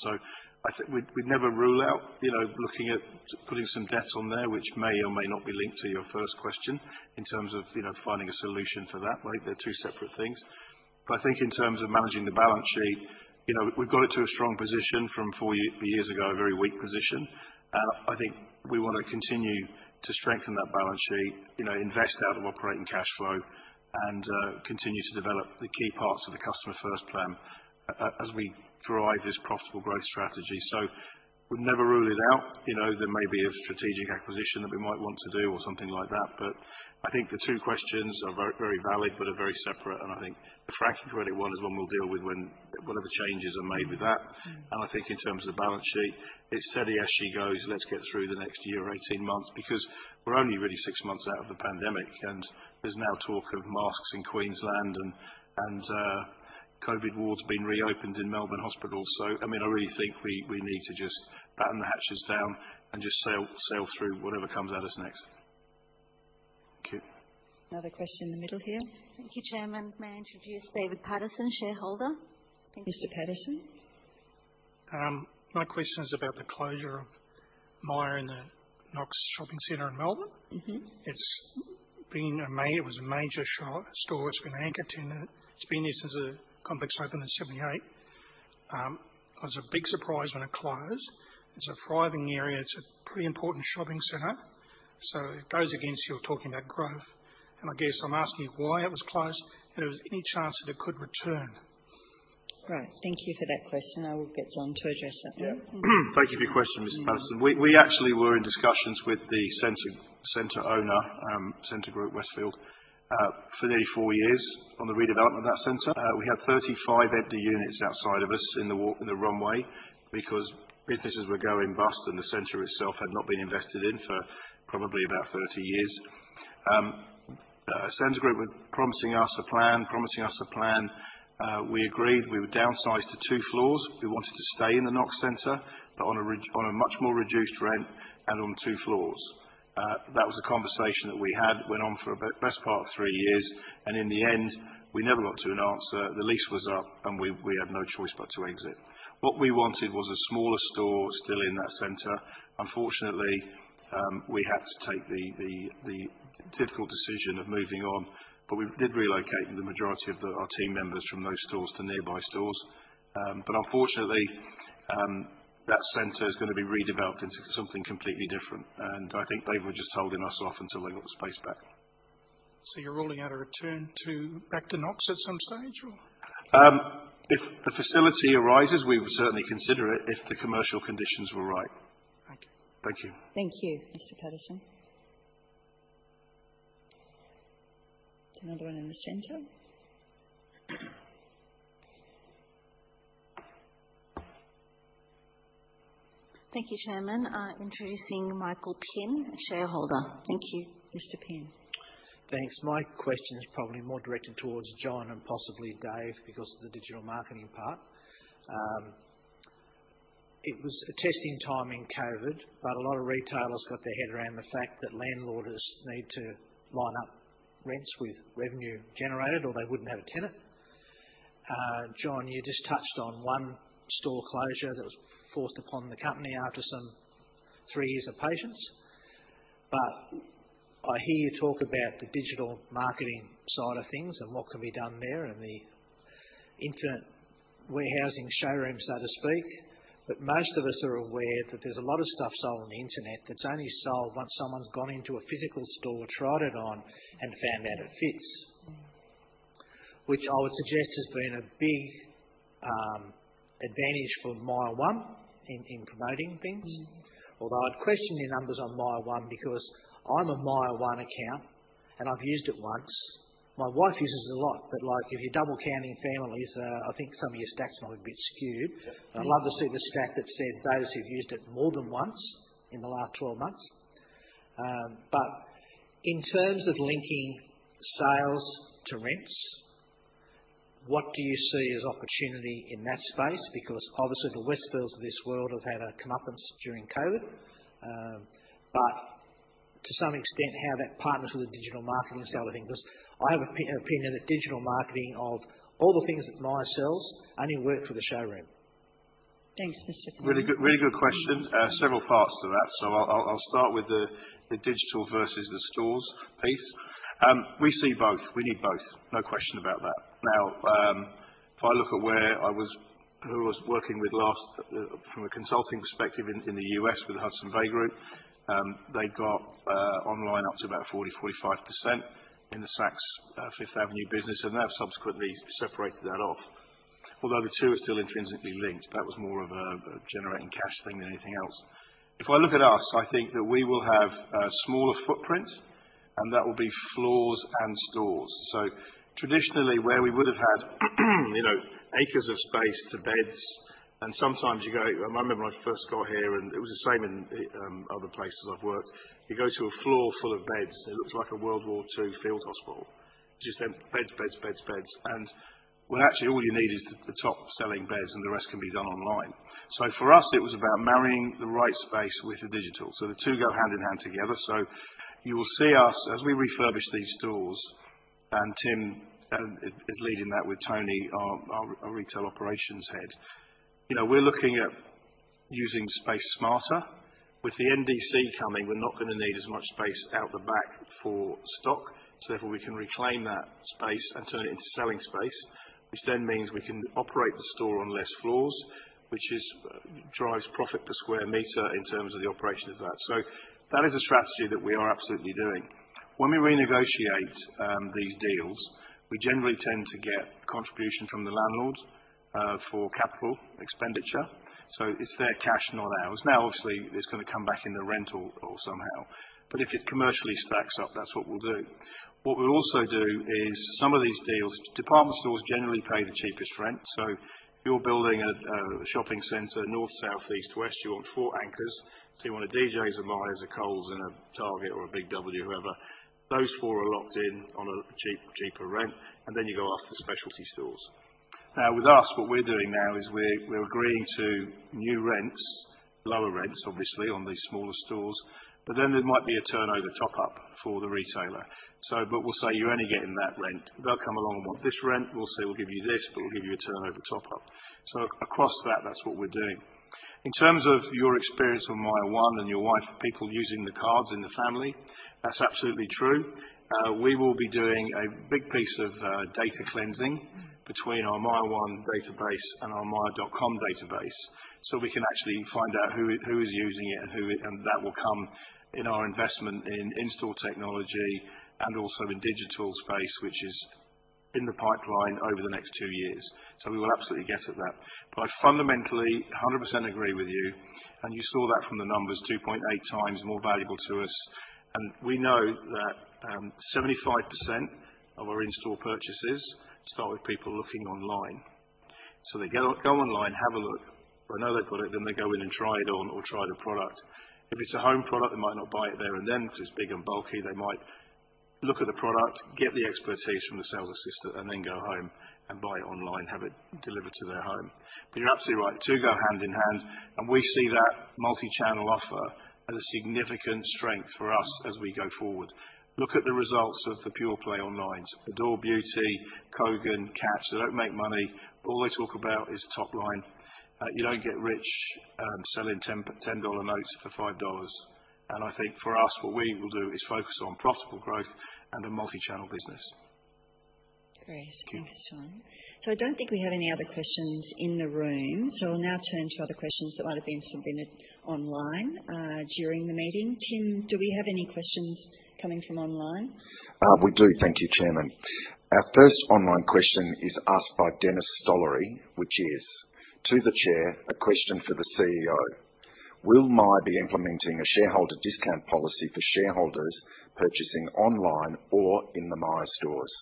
I think we'd never rule out, you know, looking at putting some debt on there, which may or may not be linked to your first question in terms of, you know, finding a solution to that. I think they're two separate things. I think in terms of managing the balance sheet, you know, we've got it to a strong position from 4 years ago, a very weak position. I think we wanna continue to strengthen that balance sheet, you know, invest out of operating cash flow, and continue to develop the key parts of the Customer First Plan as we drive this profitable growth strategy. We'd never rule it out. You know, there may be a strategic acquisition that we might want to do or something like that. I think the two questions are very, very valid, but are very separate. I think the franking credit one is one we'll deal with when whatever changes are made with that. I think in terms of the balance sheet, it's steady as she goes. Let's get through the next year or 18 months because we're only really 6 months out of the pandemic, and there's now talk of masks in Queensland and COVID wards being reopened in Melbourne hospitals. I mean, I really think we need to just batten the hatches down and just sail through whatever comes at us next. Thank you. Another question in the middle here. Thank you, Chairman. May I introduce David Paterson, shareholder. Mr. Paterson. My question is about the closure of Myer in the Knox Shopping Center in Melbourne. Mm-hmm. It was a major store. It's been an anchor tenant. It's been there since the complex opened in 1978. It was a big surprise when it closed. It's a thriving area. It's a pretty important shopping center. It goes against you talking about growth. I guess I'm asking why it was closed, and if there was any chance that it could return? Right. Thank you for that question. I will get John to address that one. Yeah. Thank you for your question, Mr. Paterson. We actually were in discussions with the center owner, Scentre Group, Westfield, for nearly 4 years on the redevelopment of that center. We had 35 empty units outside of us in the walkway in the runway because businesses were going bust, and the center itself had not been invested in for probably about 30 years. Scentre Group were promising us a plan. We agreed. We would downsize to two floors. We wanted to stay in the Knox Center, but on a much more reduced rent and on two floors. That was a conversation that we had, went on for a best part of 3 years, and in the end, we never got to an answer. The lease was up, and we had no choice but to exit. What we wanted was a smaller store still in that center. Unfortunately, we had to take the difficult decision of moving on, but we did relocate the majority of our team members from those stores to nearby stores. Unfortunately, that center is gonna be redeveloped into something completely different. I think they were just holding us off until they got the space back. You're ruling out a return to Knox at some stage or? If the facility arises, we would certainly consider it if the commercial conditions were right. Thank you. Thank you. Thank you, Mr. Paterson. Another one in the center. Thank you, Chairman. Introducing Michael Pinn, a shareholder. Thank you. Mr. Pinn. Thanks. My question is probably more directed towards John and possibly Dave because of the digital marketing part. It was a testing time in COVID, but a lot of retailers got their head around the fact that landlords need to line up rents with revenue generated, or they wouldn't have a tenant. John, you just touched on one store closure that was forced upon the company after some three years of patience. I hear you talk about the digital marketing side of things and what can be done there and the internet warehousing showroom, so to speak. Most of us are aware that there's a lot of stuff sold on the Internet that's only sold once someone's gone into a physical store, tried it on and found out it fits. Which I would suggest has been a big advantage for Myer One in promoting things. Although I'd question your numbers on Myer One, because I'm a Myer One account, and I've used it once. My wife uses it a lot, but like, if you're double counting families, I think some of your stats might be a bit skewed. I'd love to see the stat that said those who've used it more than once in the last 12 months. In terms of linking sales to rents, what do you see as an opportunity in that space? Because obviously the Westfield of this world have had a comeuppance during COVID. To some extent, how that partners with the digital marketing side of things, 'cause I have an opinion that digital marketing of all the things that Myer sells only work for the showroom. Thanks, Mr. Pinn. Really good question. Several parts to that. I'll start with the digital versus the stores piece. We see both. We need both. No question about that. Now, if I look at who I was working with last from a consulting perspective in the U.S. with the Hudson's Bay Company, they got online up to about 40%-45% in the Saks Fifth Avenue business, and they have subsequently separated that off. Although the two are still intrinsically linked, that was more of a generating cash thing than anything else. If I look at us, I think that we will have a smaller footprint, and that will be floors and stores. So traditionally where we would have had acres of space to beds, and sometimes you go. I remember when I first got here, and it was the same in other places I've worked. You go to a floor full of beds, and it looks like a World War II field hospital. Just beds, beds. When actually all you need is the top-selling beds, and the rest can be done online. For us, it was about marrying the right space with the digital. The two go hand in hand together. You will see us as we refurbish these stores, and Tim is leading that with Tony, our retail operations head. You know, we're looking at using space smarter. With the NDC coming, we're not gonna need as much space out the back for stock. Therefore, we can reclaim that space and turn it into selling space, which then means we can operate the store on less floors. Which is drives profit per square meter in terms of the operation of that. That is a strategy that we are absolutely doing. When we renegotiate these deals, we generally tend to get contribution from the landlord for capital expenditure. It's their cash, not ours. Now, obviously, it's gonna come back in the rental somehow, but if it commercially stacks up, that's what we'll do. What we'll also do is some of these deals, department stores generally pay the cheapest rent. You're building a shopping center, north, south, east, west, you want four anchors. You want a David Jones, a Myer, a Coles, and a Target or a Big W, whoever. Those four are locked in on a cheap, cheaper rent, and then you go after specialty stores. Now with us, what we're doing now is we're agreeing to new rents, lower rents, obviously, on these smaller stores. There might be a turnover top-up for the retailer. We'll say, "You're only getting that rent." They'll come along and want this rent. We'll say, "We'll give you this, but we'll give you a turnover top-up." Across that's what we're doing. In terms of your experience with Myer One and your wife, people using the cards in the family, that's absolutely true. We will be doing a big piece of data cleansing between our Myer One database and our Myer.com database, so we can actually find out who is using it and who. That will come in our investment in in-store technology and also the digital space, which is in the pipeline over the next two years. We will absolutely get at that. I fundamentally 100% agree with you, and you saw that from the numbers, 2.8 times more valuable to us. We know that, 75% of our in-store purchases start with people looking online. They go online, have a look. When they know they've got it, then they go in and try it on or try the product. If it's a home product, they might not buy it there and then 'cause it's big and bulky. They might look at the product, get the expertise from the sales assistant, and then go home and buy it online, have it delivered to their home. You're absolutely right. Two go hand in hand, and we see that multi-channel offer as a significant strength for us as we go forward. Look at the results of the pure play onlines. Adore Beauty, Kogan, Catch, they don't make money. All they talk about is top line. You don't get rich, selling 10 AUD 10 notes for 5 dollars. I think for us, what we will do is focus on profitable growth and a multi-channel business. Great. Thanks, John. I don't think we have any other questions in the room, so we'll now turn to other questions that might have been submitted online during the meeting. Tim, do we have any questions coming from online? We do. Thank you, Chairman. Our first online question is asked by Dennis Stollery, which is, "To the Chair, a question for the CEO. Will Myer be implementing a shareholder discount policy for shareholders purchasing online or in the Myer stores?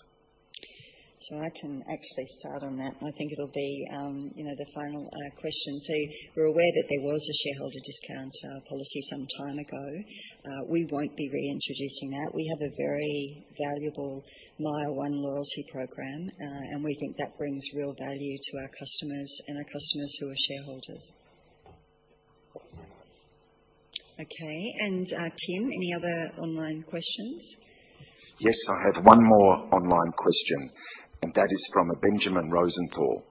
I can actually start on that. I think it'll be, you know, the final question. We're aware that there was a shareholder discount policy some time ago. We won't be reintroducing that. We have a very valuable Myer One loyalty program, and we think that brings real value to our customers and our customers who are shareholders. Okay. Tim, any other online questions? Yes, I have one more online question, and that is from Benjamin Rosenthal.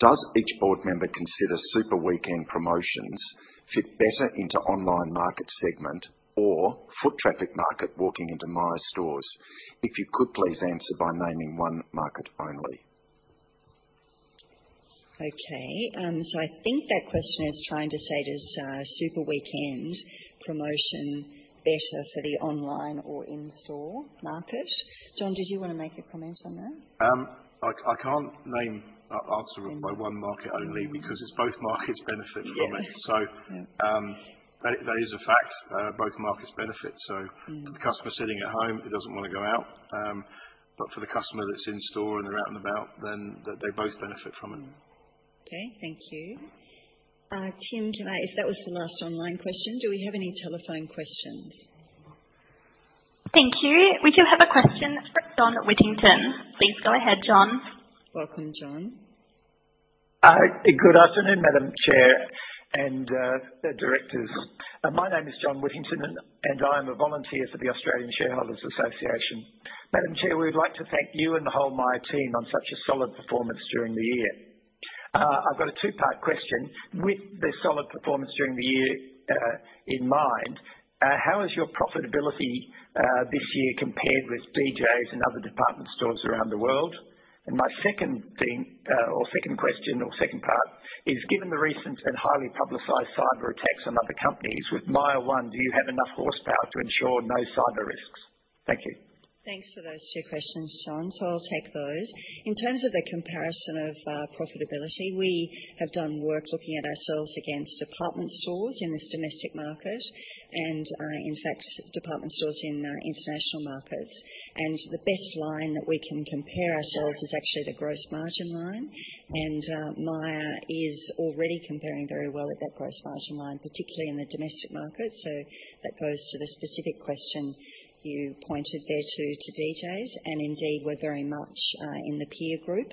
"Does each board member consider Super Weekend promotions fit better into online market segment or foot traffic market walking into Myer stores? If you could please answer by naming one market only? Okay. I think that question is trying to say does Super Weekend promotion better for the online or in-store market. John, did you wanna make a comment on that? I can't answer it by one market only. Mm-hmm. Because it's both markets benefit from it. Yeah. That is a fact. Both markets benefit. Yeah. The customer sitting at home who doesn't wanna go out. For the customer that's in store and they're out and about, then they both benefit from it. Okay, thank you. Tim, tonight if that was the last online question, do we have any telephone questions? Thank you. We do have a question from John Whittington. Please go ahead, John. Welcome, John. Good afternoon, Madam Chair and the directors. My name is John Whittington and I'm a volunteer for the Australian Shareholders' Association. Madam Chair, we would like to thank you and the whole Myer team on such a solid performance during the year. I've got a two-part question. With the solid performance during the year in mind, how has your profitability this year compared with David Jones's and other department stores around the world? My second thing, or second question or second part is, given the recent and highly publicized cyber attacks on other companies, with Myer One, do you have enough horsepower to ensure no cyber risks? Thank you. Thanks for those two questions, John. I'll take those. In terms of the comparison of profitability, we have done work looking at ourselves against department stores in this domestic market and, in fact, department stores in international markets. The best line that we can compare ourselves is actually the gross margin line. Myer is already comparing very well with that gross margin line, particularly in the domestic market. That goes to the specific question you pointed there to details. Indeed, we're very much in the peer group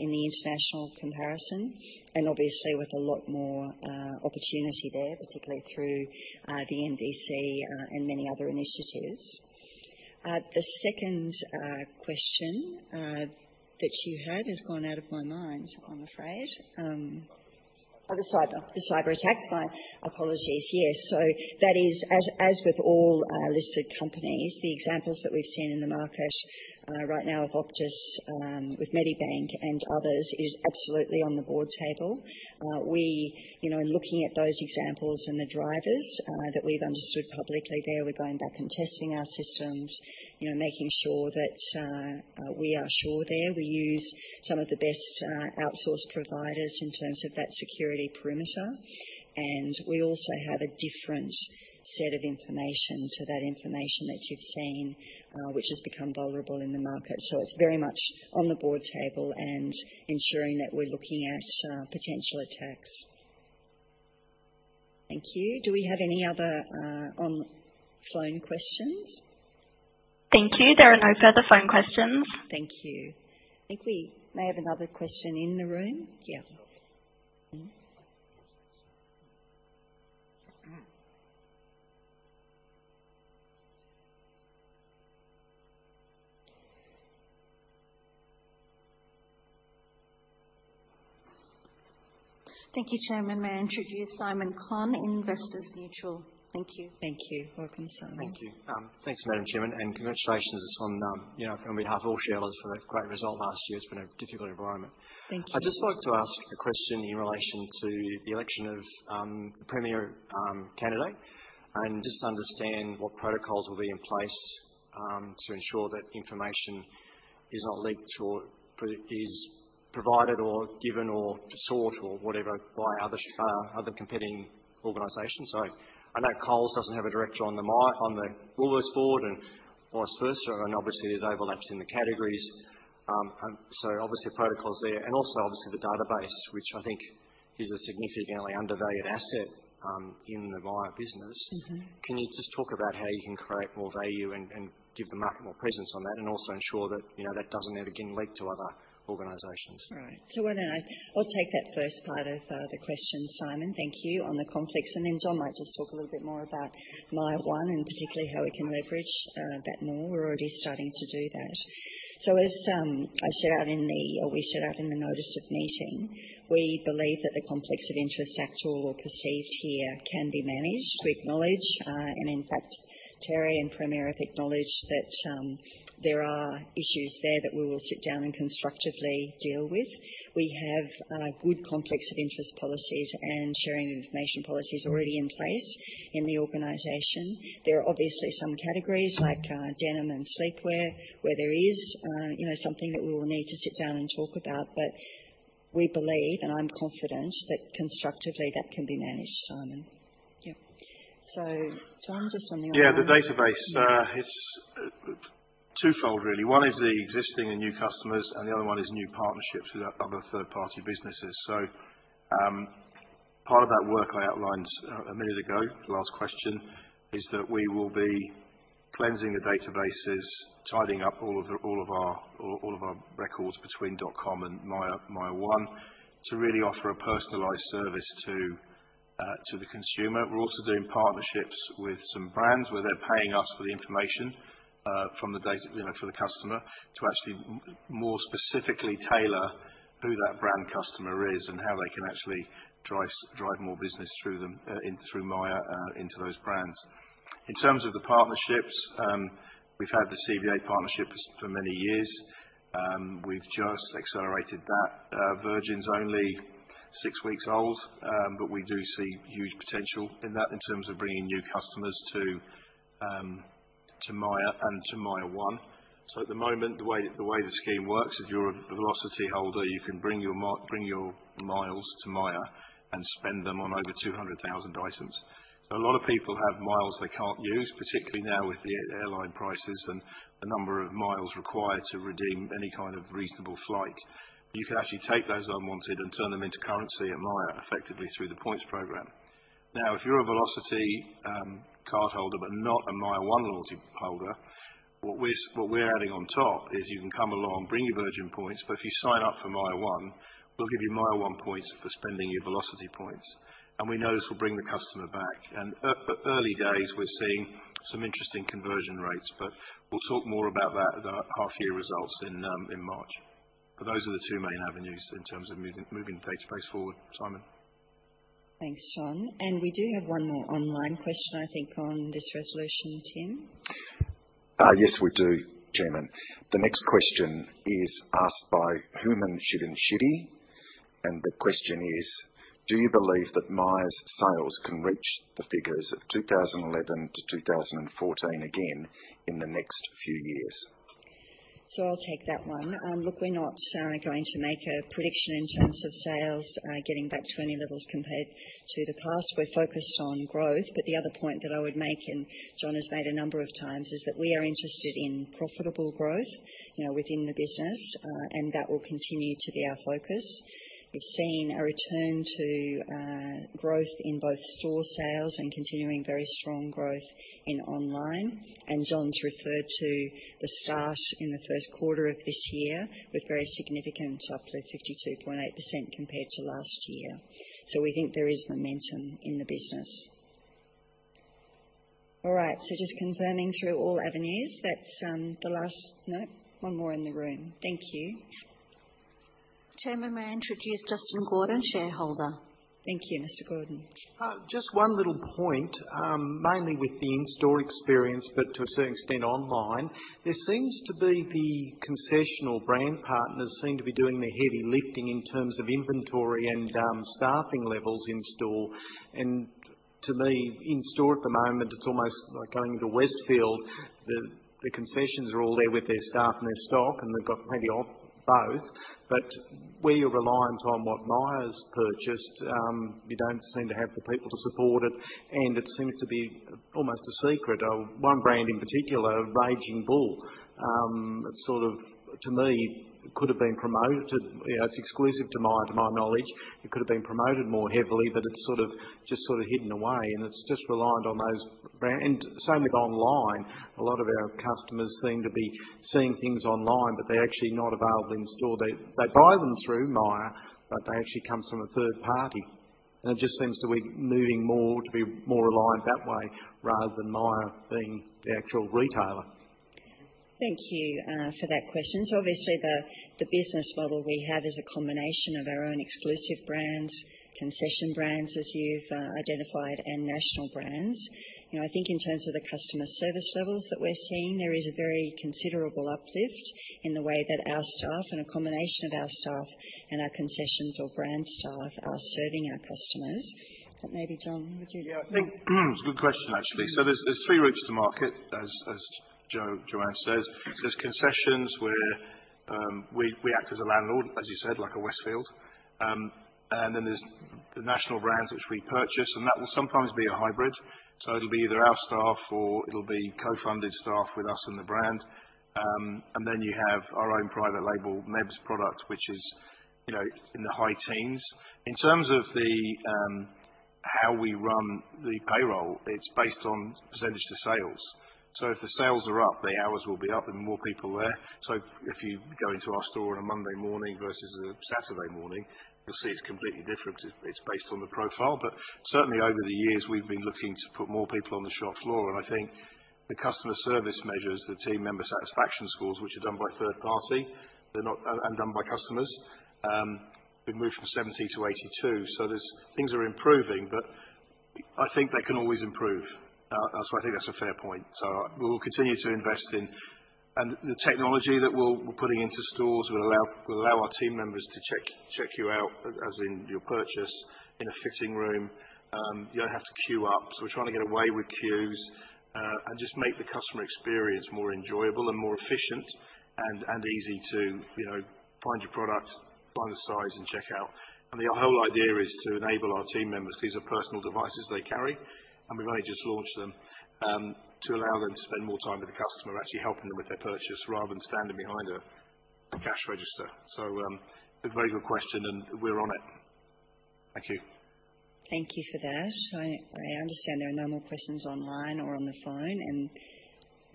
in the international comparison and obviously with a lot more opportunity there, particularly through the NDC and many other initiatives. The second question that you had has gone out of my mind, I'm afraid. The cyber attacks. The cyber attacks. My apologies. Yes. That is as with all listed companies, the examples that we've seen in the market right now of Optus with Medibank and others is absolutely on the board table. We, you know, in looking at those examples and the drivers that we've understood publicly there, we're going back and testing our systems, you know, making sure that we are sure there. We use some of the best outsourced providers in terms of that security perimeter. We also have a different set of information to that information that you've seen, which has become vulnerable in the market. It's very much on the board table and ensuring that we're looking at potential attacks. Thank you. Do we have any other on phone questions? Thank you. There are no further phone questions. Thank you. I think we may have another question in the room. Yeah. Thank you, Chairman. May I introduce Simon Conn, Investors Mutual. Thank you. Thank you. Welcome, Simon. Thank you. Thanks, Madam Chairman, and congratulations on, you know, on behalf of all shareholders for the great result last year. It's been a difficult environment. Thank you. I'd just like to ask a question in relation to the election of the Premier candidate and just understand what protocols will be in place to ensure that information is not leaked or is provided or given or sought or whatever by other competing organizations. I know Coles doesn't have a director on the Woolworths board and vice versa, and obviously there's overlaps in the categories. Obviously protocols there and also obviously the database, which I think is a significantly undervalued asset in the Myer business. Mm-hmm. Can you just talk about how you can create more value and give the market more presence on that and also ensure that, you know, that doesn't ever again leak to other organizations? Right. Why don't I take that first part of the question, Simon, thank you, on the conflicts, and then John might just talk a little bit more about Myer One and particularly how we can leverage that more. We're already starting to do that. As we set out in the notice of meeting, we believe that the conflict of interest, actual or perceived here, can be managed. We acknowledge and in fact, Terry and Premier have acknowledged that there are issues there that we will sit down and constructively deal with. We have good conflicts of interest policies and sharing of information policies already in place in the organization. There are obviously some categories like denim and sleepwear, where there is you know, something that we will need to sit down and talk about. We believe, and I'm confident, that constructively that can be managed, Simon. Yep. John's just on the online- Yeah, the database. Yeah. It's twofold really. One is the existing and new customers, and the other one is new partnerships with other third party businesses. Part of that work I outlined a minute ago, last question, is that we will be cleansing the databases, tidying up all of our records between dotcom and Myer One, to really offer a personalized service to the consumer. We're also doing partnerships with some brands where they're paying us for the information from the data, you know, for the customer to actually more specifically tailor who that brand customer is and how they can actually drive more business through them through Myer into those brands. In terms of the partnerships, we've had the CBA partnership for many years. We've just accelerated that. Virgin's only six weeks old, but we do see huge potential in that in terms of bringing new customers to Myer and to Myer One. At the moment, the way the scheme works, if you're a Velocity holder, you can bring your miles to Myer and spend them on over 200,000 items. A lot of people have miles they can't use, particularly now with the airline prices and the number of miles required to redeem any kind of reasonable flight. You can actually take those unwanted and turn them into currency at Myer effectively through the points program. Now, if you're a Velocity card holder, but not a Myer One loyalty holder, what we're adding on top is you can come along, bring your Virgin points, but if you sign up for Myer One, we'll give you Myer One points for spending your Velocity points. We know this will bring the customer back. Early days, we're seeing some interesting conversion rates, but we'll talk more about that at the half year results in March. Those are the two main avenues in terms of moving the database forward. Simon? Thanks, John. We do have one more online question, I think, on this resolution, Tim. Yes, we do, Chairman. The next question is asked by Hooman Shirinshiri, and the question is: Do you believe that Myer's sales can reach the figures of 2011-2014 again in the next few years? I'll take that one. Look, we're not going to make a prediction in terms of sales getting back to any levels compared to the past. We're focused on growth. The other point that I would make, and John has made a number of times, is that we are interested in profitable growth, you know, within the business, and that will continue to be our focus. We've seen a return to growth in both store sales and continuing very strong growth in online. John's referred to the start in the first quarter of this year with very significant, up to 52.8% compared to last year. We think there is momentum in the business. All right, so just confirming through all avenues, that's the last. No. One more in the room. Thank you. Chairman, may I introduce Dustin Gordon, shareholder. Thank you, Mr. Gordon. Just one little point, mainly with the in-store experience, but to a certain extent online. There seems to be the concession brand partners doing the heavy lifting in terms of inventory and staffing levels in store. To me, in store at the moment, it's almost like going into Westfield. The concessions are all there with their staff and their stock, and they've got plenty of both. But where you're reliant on what Myer's purchased, you don't seem to have the people to support it, and it seems to be almost a secret. One brand in particular, Raging Bull, it sort of, to me, could have been promoted. You know, it's exclusive to Myer, to my knowledge. It could have been promoted more heavily, but it's sort of, just sort of hidden away, and it's just reliant on those brands. Same with online. A lot of our customers seem to be seeing things online, but they're actually not available in store. They buy them through Myer, but they actually comes from a third party. It just seems to be moving more to be more reliant that way rather than Myer being the actual retailer. Thank you for that question. Obviously the business model we have is a combination of our own exclusive brands, concession brands, as you've identified, and national brands. You know, I think in terms of the customer service levels that we're seeing, there is a very considerable uplift in the way that our staff and a combination of our staff and our concessions or brand staff are serving our customers. Maybe John, would you- Yeah, I think it's a good question, actually. There's three routes to market as JoAnne says. There's concessions where we act as a landlord, as you said, like a Westfield. And then there's the national brands which we purchase, and that will sometimes be a hybrid. It'll be either our staff or it'll be co-funded staff with us and the brand. And then you have our own private label, MEB product, which is, you know, in the high teens. In terms of how we run the payroll, it's based on percentage to sales. If the sales are up, the hours will be up and more people there. If you go into our store on a Monday morning versus a Saturday morning, you'll see it's completely different. It's based on the profile. Certainly over the years, we've been looking to put more people on the shop floor. I think the customer service measures, the team member satisfaction scores, which are done by third party and done by customers, we've moved from 70-82. Things are improving, but I think they can always improve. That's why I think that's a fair point. We will continue to invest in the technology that we're putting into stores will allow our team members to check you out as in your purchase in a fitting room. You don't have to queue up. We're trying to do away with queues and just make the customer experience more enjoyable and more efficient and easy to, you know, find your product, find the size and check out. The whole idea is to enable our team members. These are personal devices they carry, and we've only just launched them to allow them to spend more time with the customer, actually helping them with their purchase rather than standing behind a cash register. A very good question, and we're on it. Thank you. Thank you for that. I understand there are no more questions online or on the phone and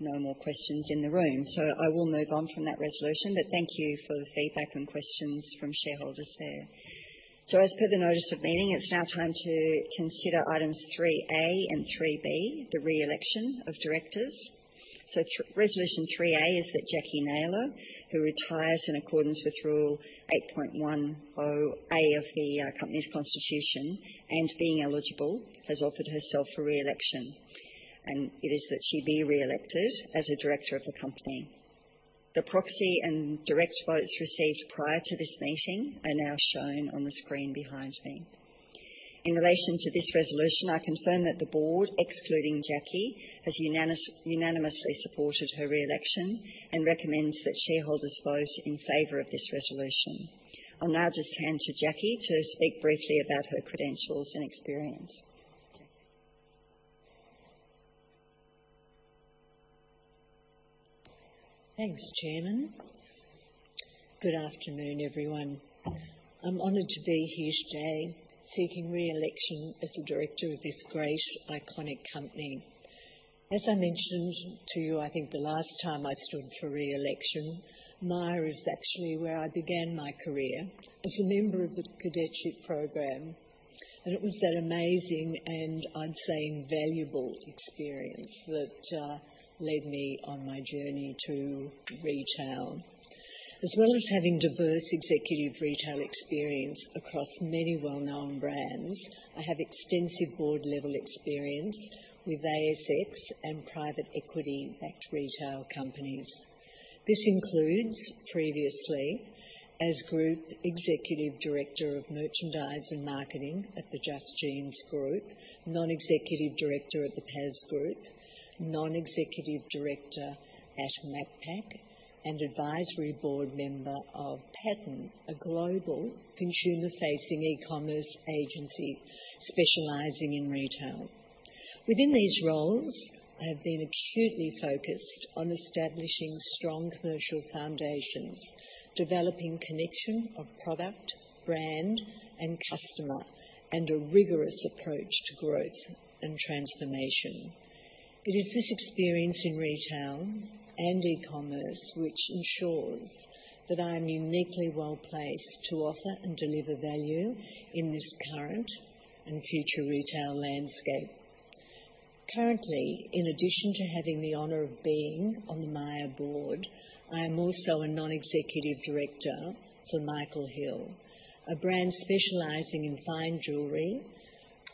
no more questions in the room. I will move on from that resolution, but thank you for the feedback and questions from shareholders there. As per the notice of meeting, it's now time to consider items 3A and 3B, the re-election of directors. Resolution 3A is that Jacquie Naylor, who retires in accordance with rule 8.10A of the company's constitution and being eligible, has offered herself for re-election. It is that she be re-elected as a director of the company. The proxy and direct votes received prior to this meeting are now shown on the screen behind me. In relation to this resolution, I confirm that the board, excluding Jacquie, has unanimously supported her re-election and recommends that shareholders vote in favor of this resolution. I'll now just hand to Jacquie to speak briefly about her credentials and experience. Thanks, Chairman. Good afternoon, everyone. I'm honored to be here today seeking re-election as a director of this great iconic company. As I mentioned to you, I think the last time I stood for re-election, Myer is actually where I began my career as a member of the cadetship program, and it was that amazing, and I'm saying valuable experience that led me on my journey to retail. As well as having diverse executive retail experience across many well-known brands, I have extensive board-level experience with ASX and private equity-backed retail companies. This includes previously as Group Executive Director of Merchandise and Marketing at the Just Group, Non-Executive Director of the PAS Group, Non-Executive Director at Macpac, and Advisory Board Member of Pattern, a global consumer-facing e-commerce agency specializing in retail. Within these roles, I have been acutely focused on establishing strong commercial foundations, developing connection of product, brand, and customer, and a rigorous approach to growth and transformation. It is this experience in retail and e-commerce which ensures that I am uniquely well-placed to offer and deliver value in this current and future retail landscape. Currently, in addition to having the honor of being on the Myer board, I am also a Non-Executive Director for Michael Hill, a brand specializing in fine jewelry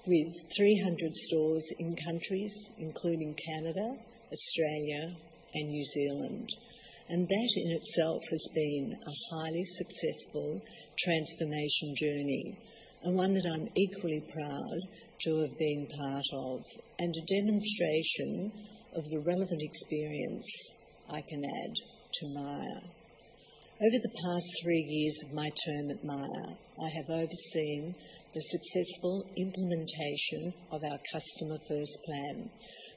with 300 stores in countries including Canada, Australia, and New Zealand. That in itself has been a highly successful transformation journey and one that I'm equally proud to have been part of and a demonstration of the relevant experience I can add to Myer. Over the past three years of my term at Myer, I have overseen the successful implementation of our Customer First Plan,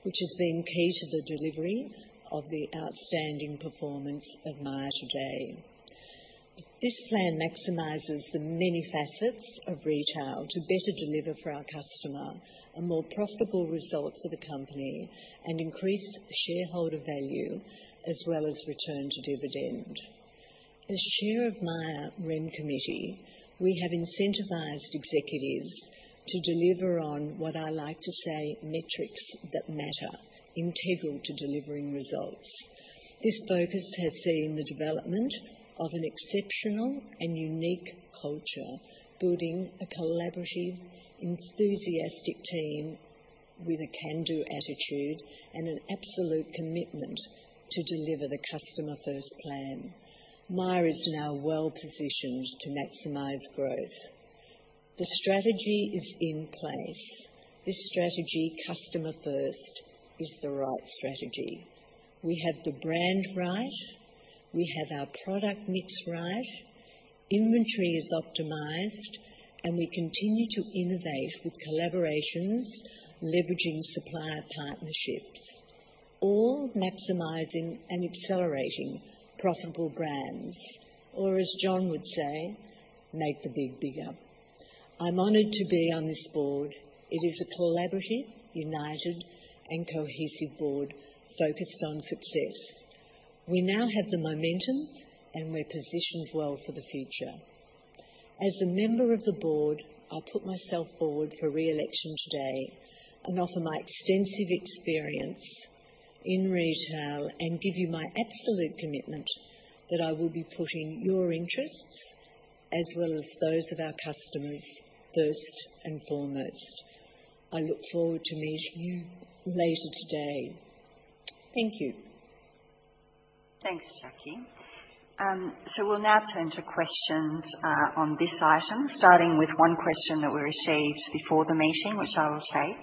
which has been key to the delivery of the outstanding performance of Myer today. This plan maximizes the many facets of retail to better deliver for our customer a more profitable result for the company and increase shareholder value as well as return to dividend. As Chair of Myer Remuneration Committee, we have incentivized executives to deliver on what I like to say, metrics that matter integral to delivering results. This focus has seen the development of an exceptional and unique culture, building a collaborative, enthusiastic team with a can-do attitude and an absolute commitment to deliver the Customer First Plan. Myer is now well-positioned to maximize growth. The strategy is in place. This strategy, Customer First, is the right strategy. We have the brand right, we have our product mix right, inventory is optimized, and we continue to innovate with collaborations, leveraging supplier partnerships. All maximizing and accelerating profitable brands. Or as John would say, "Make the big bigger." I'm honored to be on this board. It is a collaborative, united, and cohesive board focused on success. We now have the momentum, and we're positioned well for the future. As a member of the board, I'll put myself forward for re-election today and offer my extensive experience in retail and give you my absolute commitment that I will be putting your interests, as well as those of our customers, first and foremost. I look forward to meeting you later today. Thank you. Thanks, Jacquie. We'll now turn to questions on this item, starting with one question that we received before the meeting, which I will take.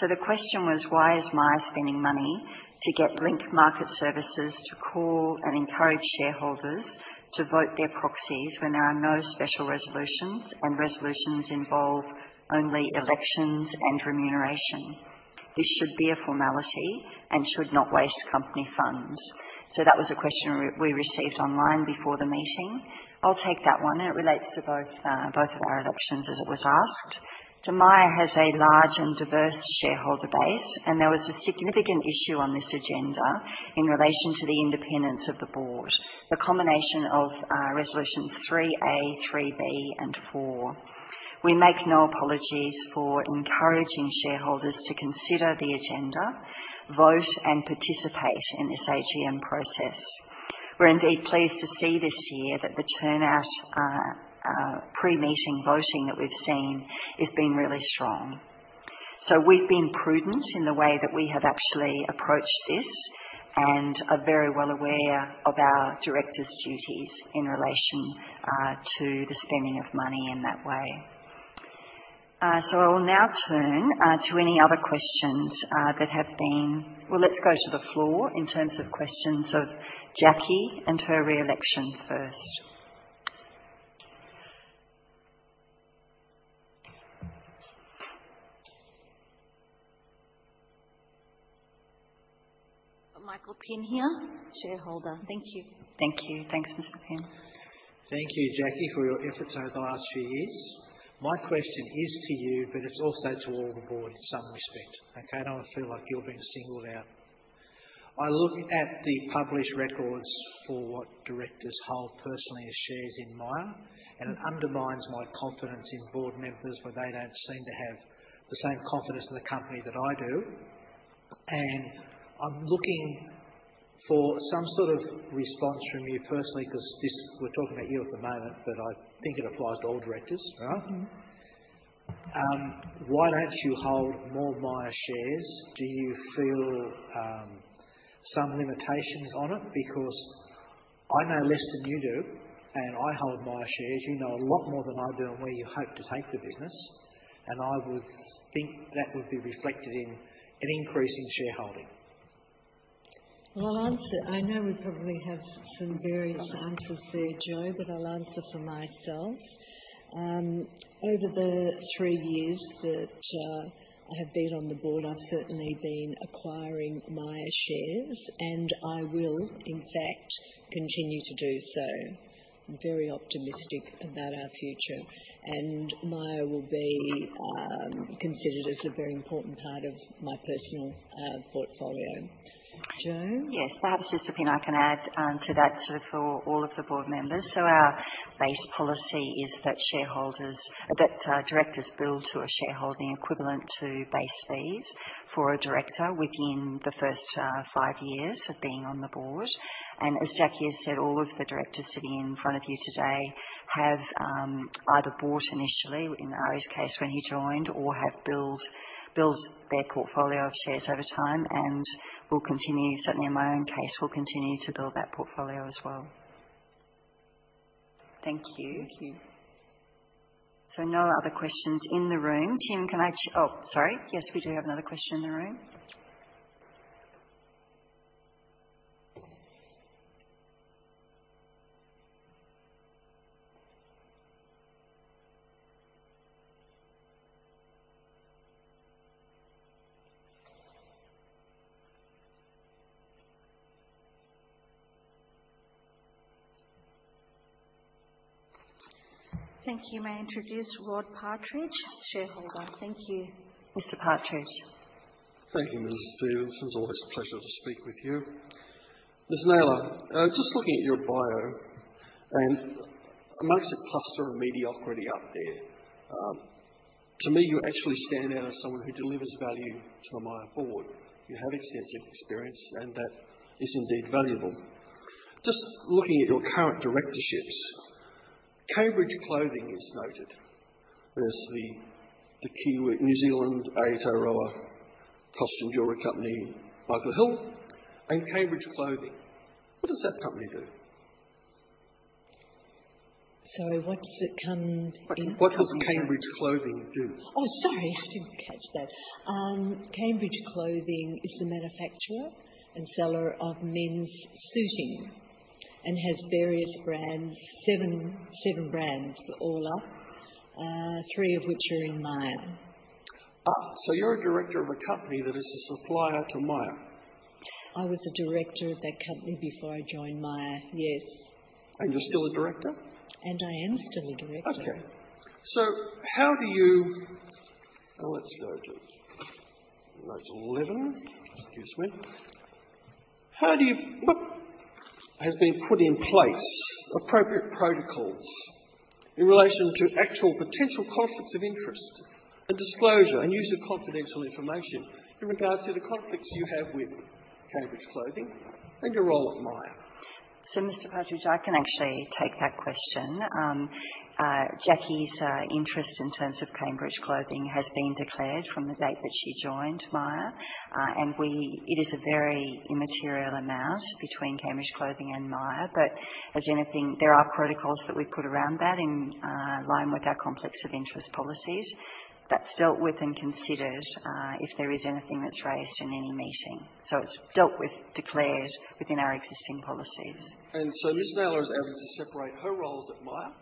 The question was: Why is Myer spending money to get Link Market Services to call and encourage shareholders to vote their proxies when there are no special resolutions, and resolutions involve only elections and remuneration? This should be a formality and should not waste company funds. That was a question we received online before the meeting. I'll take that one, and it relates to both of our elections, as it was asked. Myer has a large and diverse shareholder base, and there was a significant issue on this agenda in relation to the independence of the board, the combination of resolutions three A, three B, and four. We make no apologies for encouraging shareholders to consider the agenda, vote, and participate in this AGM process. We're indeed pleased to see this year that the turnout, pre-meeting voting that we've seen has been really strong. We've been prudent in the way that we have actually approached this and are very well aware of our directors' duties in relation to the spending of money in that way. I will now turn to any other questions that have been. Well, let's go to the floor in terms of questions of Jacquie and her re-election first. Michael Pinn here, Shareholder. Thank you. Thank you. Thanks, Mr. Pinn. Thank you, Jacqui, for your efforts over the last few years. My question is to you, but it's also to all the board in some respect, okay? Don't feel like you're being singled out. I look at the published records for what directors hold personally as shares in Myer, and it undermines my confidence in board members where they don't seem to have the same confidence in the company that I do. I'm looking for some sort of response from you personally, 'cause this, we're talking about you at the moment, but I think it applies to all directors, right? Mm-hmm. Why don't you hold more Myer shares? Do you feel some limitations on it? Because I know less than you do, and I hold Myer shares. You know a lot more than I do on where you hope to take the business, and I would think that would be reflected in an increase in shareholding. Well, I'll answer. I know we probably have some various answers there, Jo, but I'll answer for myself. Over the three years that I have been on the board, I've certainly been acquiring Myer shares, and I will, in fact, continue to do so. I'm very optimistic about our future, and Myer will be considered as a very important part of my personal portfolio. Jo? Yes. Perhaps, Mr. Pinn, I can add to that sort of for all of the board members. Our base policy is that directors build to a shareholding equivalent to base fees for a director within the first five years of being on the board. As Jacquie has said, all of the directors sitting in front of you today have either bought initially, in Ari's case, when he joined, or have built their portfolio of shares over time and will continue, certainly in my own case, to build that portfolio as well. Thank you. Thank you. No other questions in the room. Oh, sorry. Yes, we do have another question in the room. Thank you. May I introduce Rod Partridge, Shareholder. Thank you, Mr. Partridge. Thank you, Ms. Stephenson. It's always a pleasure to speak with you. Ms. Naylor, just looking at your bio, and amongst a cluster of mediocrity up there, to me, you actually stand out as someone who delivers value to the Myer board. You have extensive experience, and that is indeed valuable. Just looking at your current directorships, Cambridge Clothing is noted. There's the Kiwi New Zealand Aotearoa costume jewelry company, Michael Hill and Cambridge Clothing. What does that company do? Sorry, what does it come in? What does Cambridge Clothing do? Oh, sorry, I didn't catch that. Cambridge Clothing is the manufacturer and seller of men's suiting. Has various brands, seven brands all up, three of which are in Myer. You're a director of a company that is a supplier to Myer? I was a director of that company before I joined Myer, yes. You're still a director? I am still a director. Okay. Let's go to notes eleven. Excuse me. What has been put in place, appropriate protocols in relation to actual potential conflicts of interest and disclosure and use of confidential information in regards to the conflicts you have with Cambridge Clothing and your role at Myer? Mr. Partridge, I can actually take that question. Jacqui's interest in terms of Cambridge Clothing has been declared from the date that she joined Myer. It is a very immaterial amount between Cambridge Clothing and Myer. But as with anything, there are protocols that we put around that in line with our conflicts of interest policies that's dealt with and considered if there is anything that's raised in any meeting. It's dealt with, declared within our existing policies. Ms. Naylor is able to separate her roles at Myer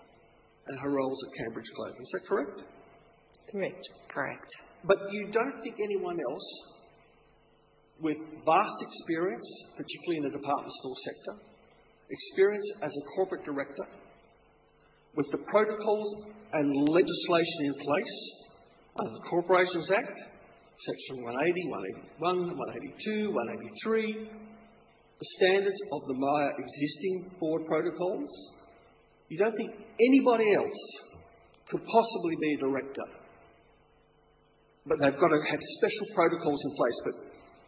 and her roles at Cambridge Clothing. Is that correct? Correct. You don't think anyone else with vast experience, particularly in the department store sector, experience as a corporate director, with the protocols and legislation in place, the Corporations Act, Section 180, 181, 182, 183, the standards of the Myer existing board protocols. You don't think anybody else could possibly be a director, but they've got to have special protocols in place, but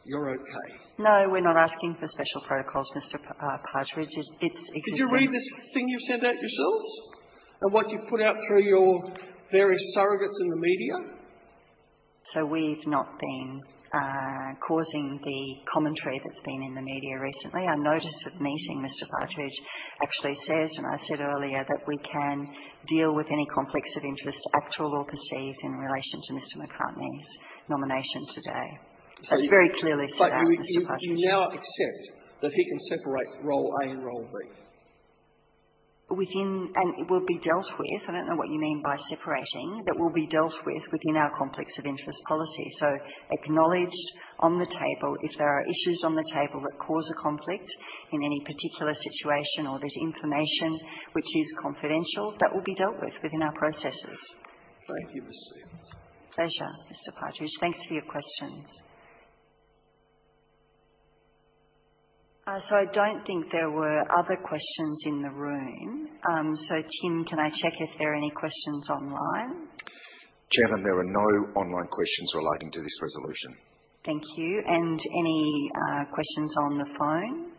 you're okay? No, we're not asking for special protocols, Mr. Partridge. It's Did you read this thing you sent out yourselves and what you've put out through your various surrogates in the media? We've not been causing the commentary that's been in the media recently. Our notice of meeting, Mr. Partridge, actually says, and I said earlier, that we can deal with any conflicts of interest, actual or perceived, in relation to Mr. McCartney's nomination today. So- That's very clearly set out, Mr. Partridge. You now accept that he can separate role A and role B? It will be dealt with. I don't know what you mean by separating, but will be dealt with within our conflicts of interest policy. Acknowledged on the table. If there are issues on the table that cause a conflict in any particular situation or there's information which is confidential, that will be dealt with within our processes. Thank you, Ms. Stephenson. Pleasure, Mr. Partridge. Thanks for your questions. I don't think there were other questions in the room. Tim, can I check if there are any questions online? Chairman, there are no online questions relating to this resolution. Thank you. Any questions on the phone?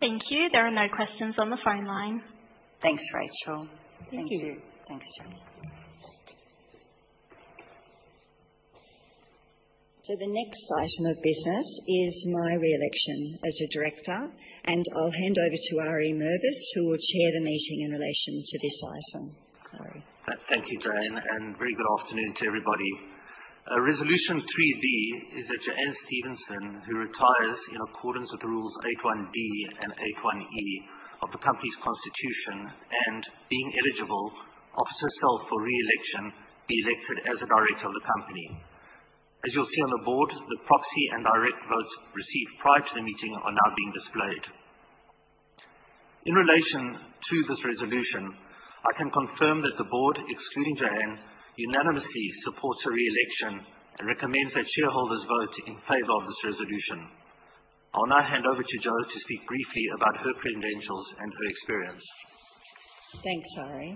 Thank you. There are no questions on the phone line. Thanks, Rachel. Thank you. Thanks, Chair. The next item of business is my re-election as a director, and I'll hand over to Ari Mervis, who will chair the meeting in relation to this item. Ari. Thank you, JoAnne, and very good afternoon to everybody. Resolution 3D is that JoAnne Stephenson, who retires in accordance with Rules 8.1D and 8.1E of the company's constitution and, being eligible, offers herself for re-election, be elected as a director of the company. As you'll see on the board, the proxy and direct votes received prior to the meeting are now being displayed. In relation to this resolution, I can confirm that the board, excluding JoAnne, unanimously supports her re-election and recommends that shareholders vote in favor of this resolution. I'll now hand over to Jo to speak briefly about her credentials and her experience. Thanks, Ari.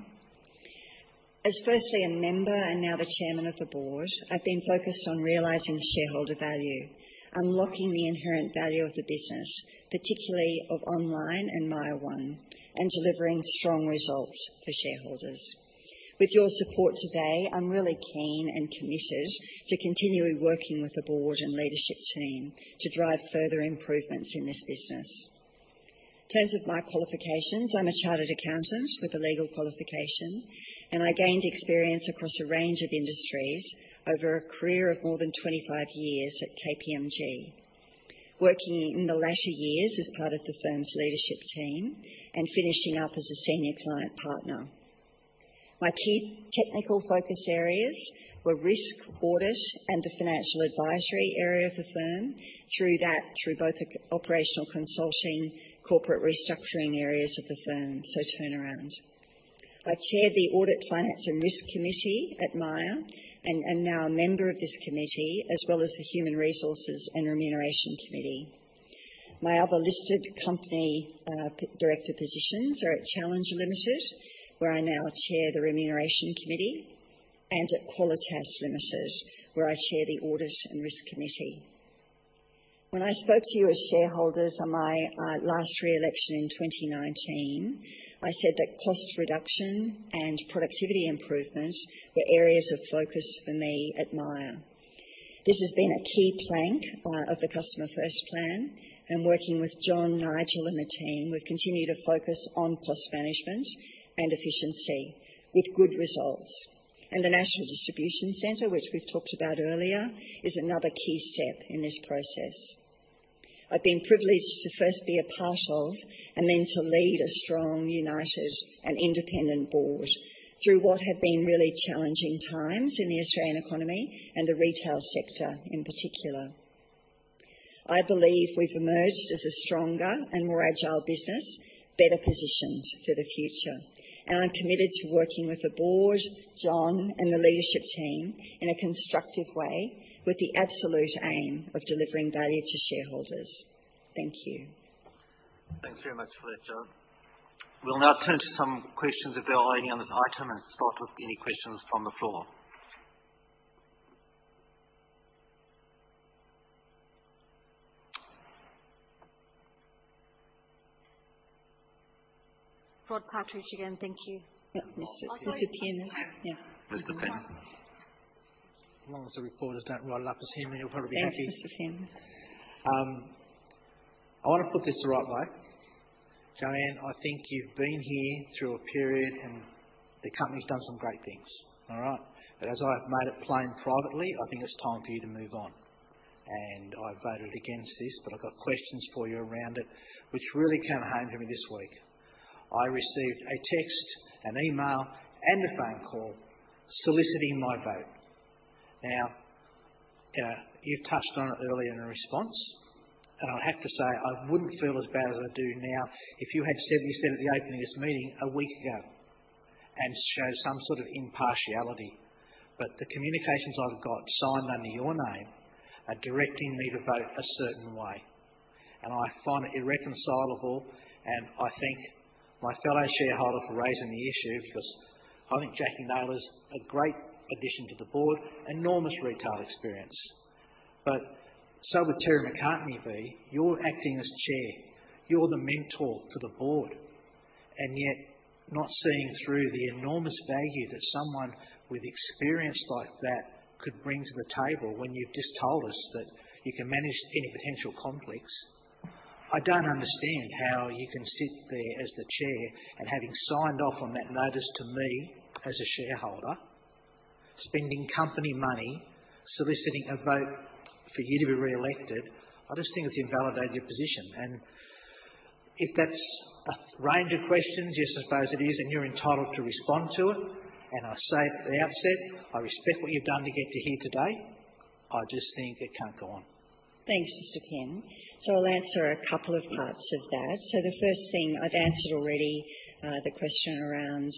As firstly a member and now the chairman of the board, I've been focused on realizing shareholder value, unlocking the inherent value of the business, particularly of online and Myer One, and delivering strong results for shareholders. With your support today, I'm really keen and committed to continuing working with the board and leadership team to drive further improvements in this business. In terms of my qualifications, I'm a chartered accountant with a legal qualification, and I gained experience across a range of industries over a career of more than 25 years at KPMG, working in the latter years as part of the firm's leadership team and finishing up as a senior client partner. My key technical focus areas were risk, audit, and the financial advisory area of the firm through that, through both operational consulting, corporate restructuring areas of the firm, so turnaround. I've chaired the Audit, Finance and Risk Committee at Myer and am now a member of this committee, as well as the Human Resources and Remuneration Committee. My other listed company director positions are at Challenger Limited, where I now chair the Remuneration Committee, and at Qualitas Limited, where I chair the Audit and Risk Committee. When I spoke to you as shareholders on my last re-election in 2019, I said that cost reduction and productivity improvement were areas of focus for me at Myer. This has been a key plank of the Customer First Plan, and working with John, Nigel, and the team, we've continued to focus on cost management and efficiency with good results. The national distribution center, which we've talked about earlier, is another key step in this process. I've been privileged to first be a part of, and then to lead a strong, united, and independent board through what have been really challenging times in the Australian economy and the retail sector in particular. I believe we've emerged as a stronger and more agile business, better positioned for the future. I'm committed to working with the board, John, and the leadership team in a constructive way with the absolute aim of delivering value to shareholders. Thank you. Thanks very much for that, JoAnne. We'll now turn to some questions if there are any on this item and start with any questions from the floor. Rod Partridge again. Thank you. Yeah. Mr. Pinn. Yeah. Mr. Pinn. As long as the reporters don't write it up as Henry, you'll probably be happy. Thank you, Mr. Pinn. I wanna put this the right way. JoAnne, I think you've been here through a period, and the company's done some great things. All right? As I've made it plain privately, I think it's time for you to move on. I voted against this, but I've got questions for you around it which really came home to me this week. I received a text, an email, and a phone call soliciting my vote. Now, you've touched on it earlier in a response, and I have to say, I wouldn't feel as bad as I do now if you had said what you said at the opening of this meeting a week ago and show some sort of impartiality. The communications I've got signed under your name are directing me to vote a certain way, and I find it irreconcilable. I thank my fellow shareholder for raising the issue because I think Jacquie Naylor's a great addition to the board, enormous retail experience. So would Terry McCartney be. You're acting as Chair, you're the mentor to the board, and yet not seeing through the enormous value that someone with experience like that could bring to the table when you've just told us that you can manage any potential conflicts. I don't understand how you can sit there as the Chair and having signed off on that notice to me as a shareholder, spending company money soliciting a vote for you to be reelected. I just think it's invalidated your position. If that's a range of questions, yes, I suppose it is, and you're entitled to respond to it. I say at the outset, I respect what you've done to get to here today. I just think it can't go on. Thanks, Mr. Pinn. I'll answer a couple of parts of that. The first thing I've answered already, the question around,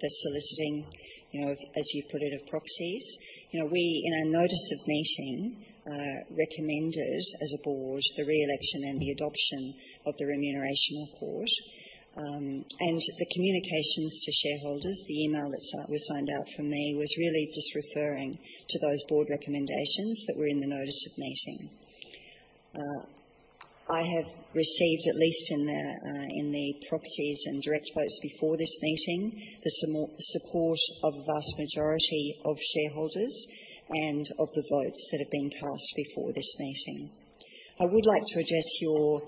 the soliciting, you know, as you put it, of proxies. You know we, in our notice of meeting, recommended as a board the reelection and the adoption of the remuneration report. The communications to shareholders, the email that was signed out from me was really just referring to those board recommendations that were in the notice of meeting. I have received, at least in the, in the proxies and direct votes before this meeting, the strong support of a vast majority of shareholders and of the votes that have been cast before this meeting. I would like to address your,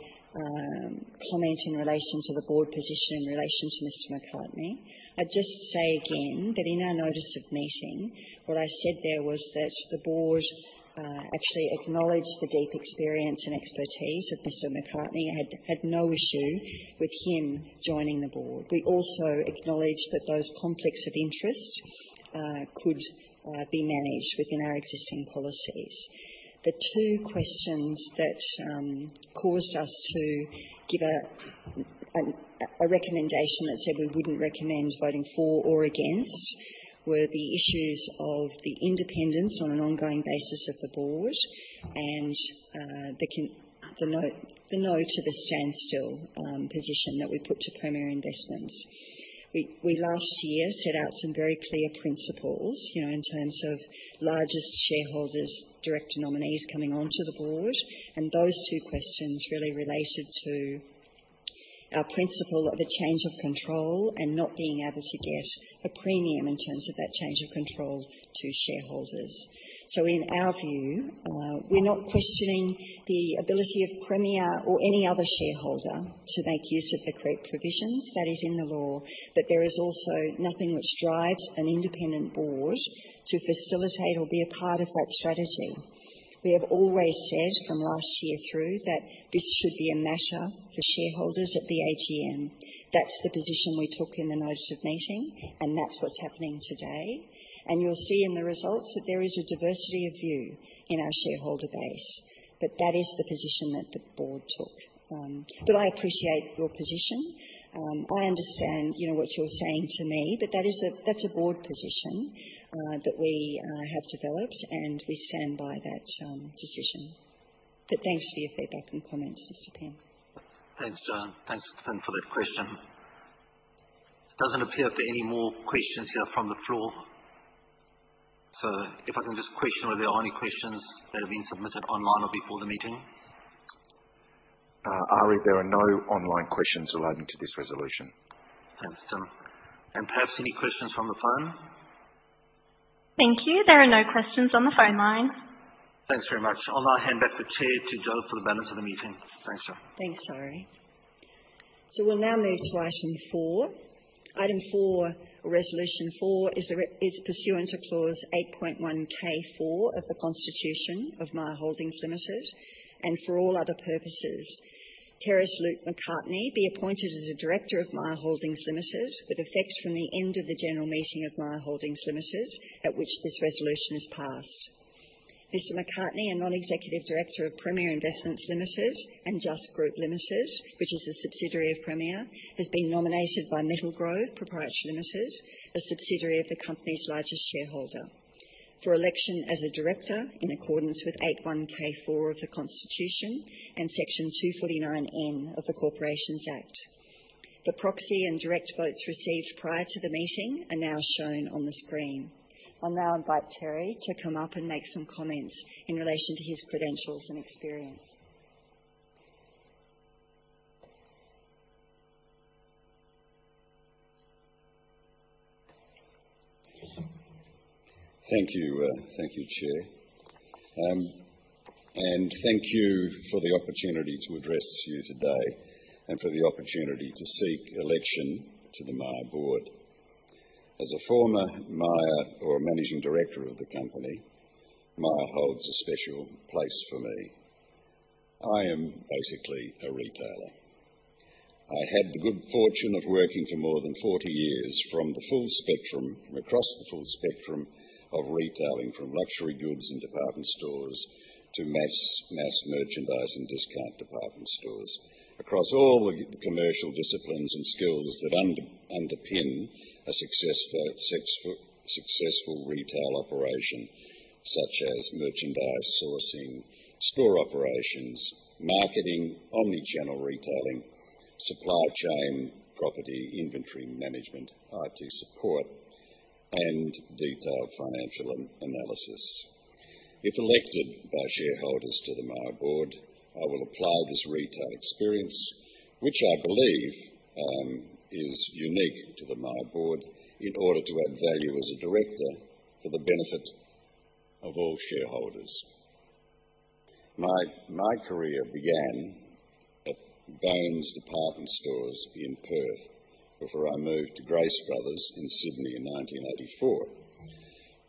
comment in relation to the board position in relation to Mr. McCartney. I'd just say again that in our notice of meeting, what I said there was that the board actually acknowledged the deep experience and expertise of Mr. McCartney. I had no issue with him joining the board. We also acknowledged that those conflicts of interest could be managed within our existing policies. The two questions that caused us to give a recommendation that said we wouldn't recommend voting for or against were the issues of the independence on an ongoing basis of the board and the no to the standstill position that we put to Premier Investments. We last year set out some very clear principles, you know, in terms of largest shareholders, director nominees coming onto the board. Those two questions really related to our principal of a change of control and not being able to get a premium in terms of that change of control to shareholders. In our view, we're not questioning the ability of Premier or any other shareholder to make use of the creep provisions that is in the law. There is also nothing which drives an independent board to facilitate or be a part of that strategy. We have always said from last year through that this should be a matter for shareholders at the AGM. That's the position we took in the notice of meeting, and that's what's happening today. You'll see in the results that there is a diversity of view in our shareholder base. That is the position that the board took. I appreciate your position. I understand, you know, what you're saying to me, but that's a board position that we have developed, and we stand by that decision. Thanks for your feedback and comments, Mr. Pinn. Thanks, JoAnne. Thanks, Mr. Pinn, for that question. It doesn't appear as if there are any more questions here from the floor. If I can just question whether there are any questions that have been submitted online or before the meeting? Ari, there are no online questions relating to this resolution. Thanks, Tim. Perhaps any questions from the phone? Thank you. There are no questions on the phone line. Thanks very much. I'll now hand back the chair to Jo for the balance of the meeting. Thanks, Jo. Thanks, Tori. We'll now move to item four. Item four, resolution four is pursuant to clause 8.1 K4 of the Constitution of Myer Holdings Limited, and for all other purposes. Terrence Luke McCartney be appointed as a director of Myer Holdings Limited with effect from the end of the general meeting of Myer Holdings Limited at which this resolution is passed. Mr. McCartney, a non-executive director of Premier Investments Limited and Just Group Limited, which is a subsidiary of Premier, has been nominated by Middle Grove Pty Limited, a subsidiary of the company's largest shareholder, for election as a director in accordance with 8.1 K4 of the Constitution and Section 249N of the Corporations Act. The proxy and direct votes received prior to the meeting are now shown on the screen. I'll now invite Terry to come up and make some comments in relation to his credentials and experience. Thank you. Thank you, Chair. Thank you for the opportunity to address you today and for the opportunity to seek election to the Myer board. As a former CEO and Managing Director of the company, Myer holds a special place for me. I am basically a retailer. I had the good fortune of working for more than 40 years across the full spectrum of retailing, from luxury goods and department stores to mass merchandise and discount department stores. Across all the commercial disciplines and skills that underpin a successful retail operation such as merchandise sourcing, store operations, marketing, omni-channel retailing, supply chain, property inventory management, IT support, and detailed financial analysis. If elected by shareholders to the Myer board, I will apply this retail experience, which I believe is unique to the Myer board, in order to add value as a director for the benefit of all shareholders. My career began at Boans Department Stores in Perth before I moved to Grace Brothers in Sydney in 1984.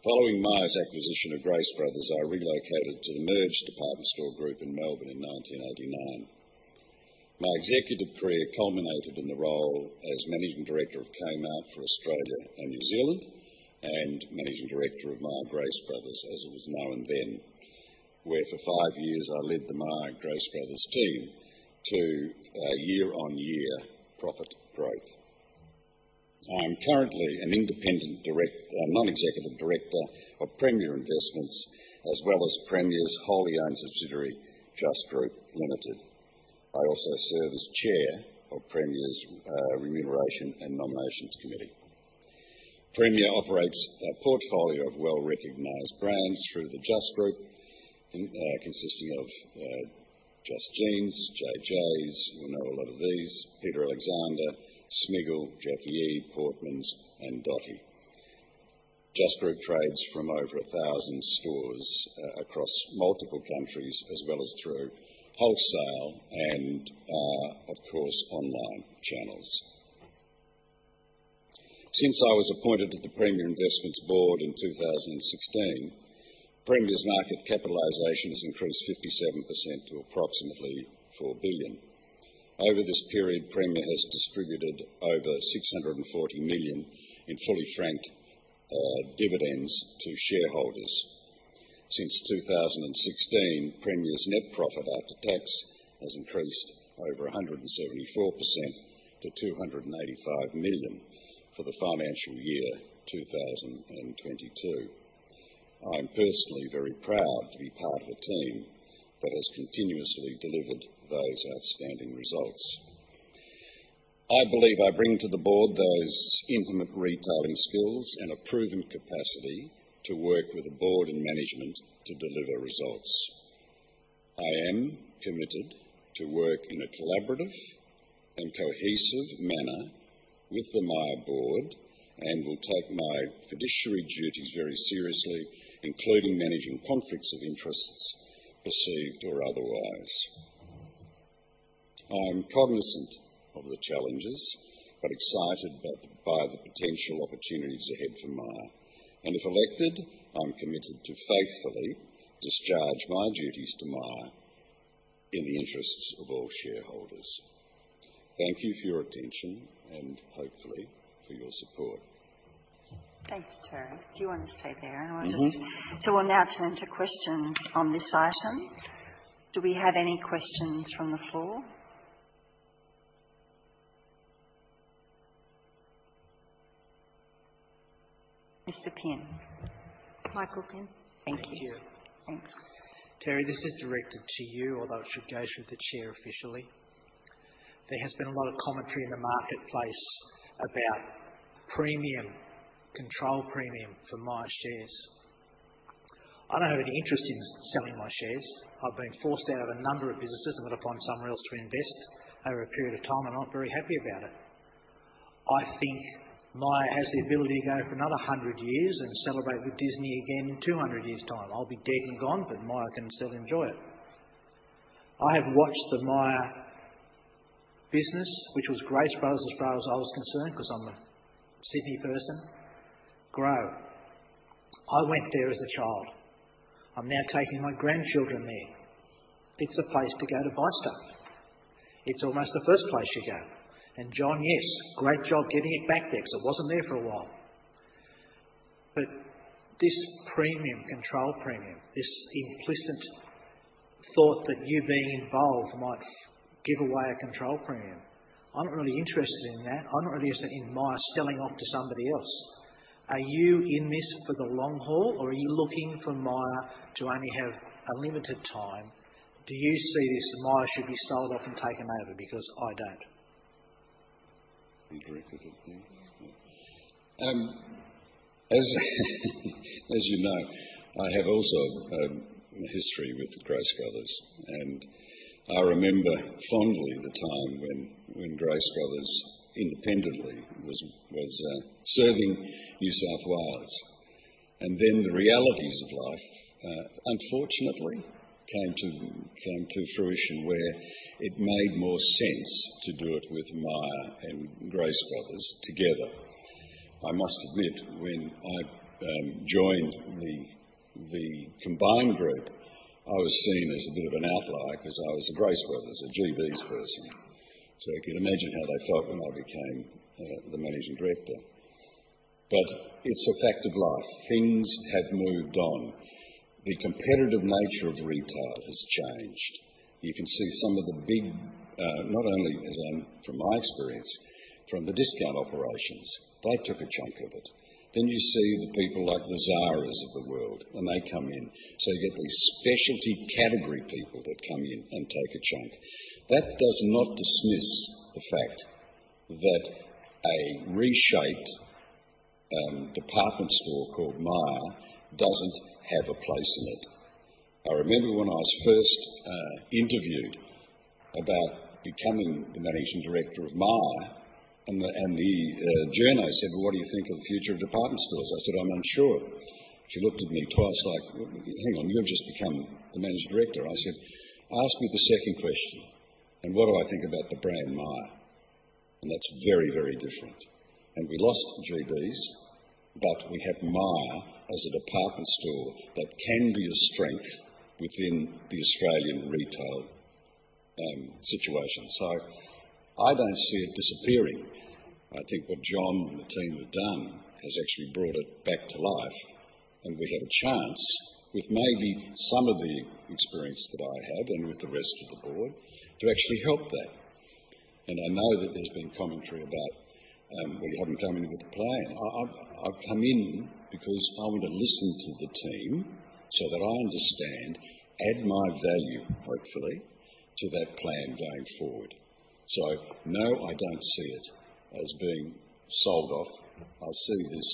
Following Myer's acquisition of Grace Brothers, I relocated to the merged department store group in Melbourne in 1989. My executive career culminated in the role as Managing Director of Kmart for Australia and New Zealand and Managing Director of Myer Grace Bros, as it was known then, where for five years I led the Myer Grace Bros team to year-on-year profit growth. I am currently an independent non-executive director of Premier Investments, as well as Premier's wholly owned subsidiary, Just Group Limited. I also serve as chair of Premier's Remuneration and Nominations Committee. Premier operates a portfolio of well-recognized brands through the Just Group, consisting of Just Jeans, Jay Jays. You'll know a lot of these. Peter Alexander, Smiggle, Jacqui E, Portmans, and Dotti. Just Group trades from over 1,000 stores across multiple countries as well as through wholesale and via, of course, online channels. Since I was appointed to the Premier Investments board in 2016, Premier's market capitalization has increased 57% to approximately 4 billion. Over this period, Premier has distributed over 640 million in fully franked dividends to shareholders. Since 2016, Premier's net profit after tax has increased over 174% to 285 million for the financial year 2022. I am personally very proud to be part of a team that has continuously delivered those outstanding results. I believe I bring to the board those intimate retailing skills and a proven capacity to work with the board and management to deliver results. I am committed to work in a collaborative and cohesive manner with the Myer board and will take my fiduciary duties very seriously, including managing conflicts of interest, perceived or otherwise. I am cognizant of the challenges, but excited by the potential opportunities ahead for Myer. If elected, I am committed to faithfully discharge my duties to Myer in the interests of all shareholders. Thank you for your attention and hopefully for your support. Thanks, Terry. Do you want to stay there? Mm-hmm. We'll now turn to questions on this item. Do we have any questions from the floor? Mr. Pinn. Michael Pinn. Thank you. Thank you. Thanks. Terry, this is directed to you, although it should go through the chair officially. There has been a lot of commentary in the marketplace about premium, control premium for Myer shares. I don't have any interest in selling my shares. I've been forced out of a number of businesses and got to find somewhere else to invest over a period of time, and I'm not very happy about it. I think Myer has the ability to go for another 100 years and celebrate with Disney again in 200 years' time. I'll be dead and gone, but Myer can still enjoy it. I have watched the Myer business, which was Grace Brothers as far as I was concerned, because I'm a Sydney person, grow. I went there as a child. I'm now taking my grandchildren there. It's a place to go to buy stuff. It's almost the first place you go. John, yes, great job getting it back there because it wasn't there for a while. This premium, control premium, this implicit thought that you being involved might give away a control premium. I'm not really interested in that. I'm not really interested in Myer selling off to somebody else. Are you in this for the long haul, or are you looking for Myer to only have a limited time? Do you see this that Myer should be sold off and taken over? Because I don't. Be directed at me? As you know, I have also a history with Grace Bros. I remember fondly the time when Grace Bros independently was serving New South Wales. Then the realities of life unfortunately came to fruition, where it made more sense to do it with Myer and Grace Bros together. I must admit, when I joined the combined group, I was seen as a bit of an outlier because I was a Grace Bros, a GB's person. You can imagine how they felt when I became the Managing Director. It's a fact of life. Things have moved on. The competitive nature of retail has changed. You can see some of the big, not only from my experience from the discount operations. They took a chunk of it. You see the people like the Zara's of the world, and they come in. You get these specialty category people that come in and take a chunk. That does not dismiss the fact that a reshaped department store called Myer doesn't have a place in it. I remember when I was first interviewed about becoming the managing director of Myer, and the journo said, "Well, what do you think of the future of department stores?" I said, "I'm unsure." She looked at me twice like, "Hang on, you have just become the managing director." I said, "Ask me the second question, and what do I think about the brand Myer?" That's very, very different. We lost Grace Bros', but we have Myer as a department store that can be a strength within the Australian retail situation. I don't see it disappearing. I think what John and the team have done has actually brought it back to life, and we have a chance with maybe some of the experience that I have and with the rest of the board to actually help that. I know that there's been commentary about, well, you haven't done anything with the plan. I've come in because I want to listen to the team so that I understand, add my value, hopefully, to that plan going forward. No, I don't see it as being sold off. I see this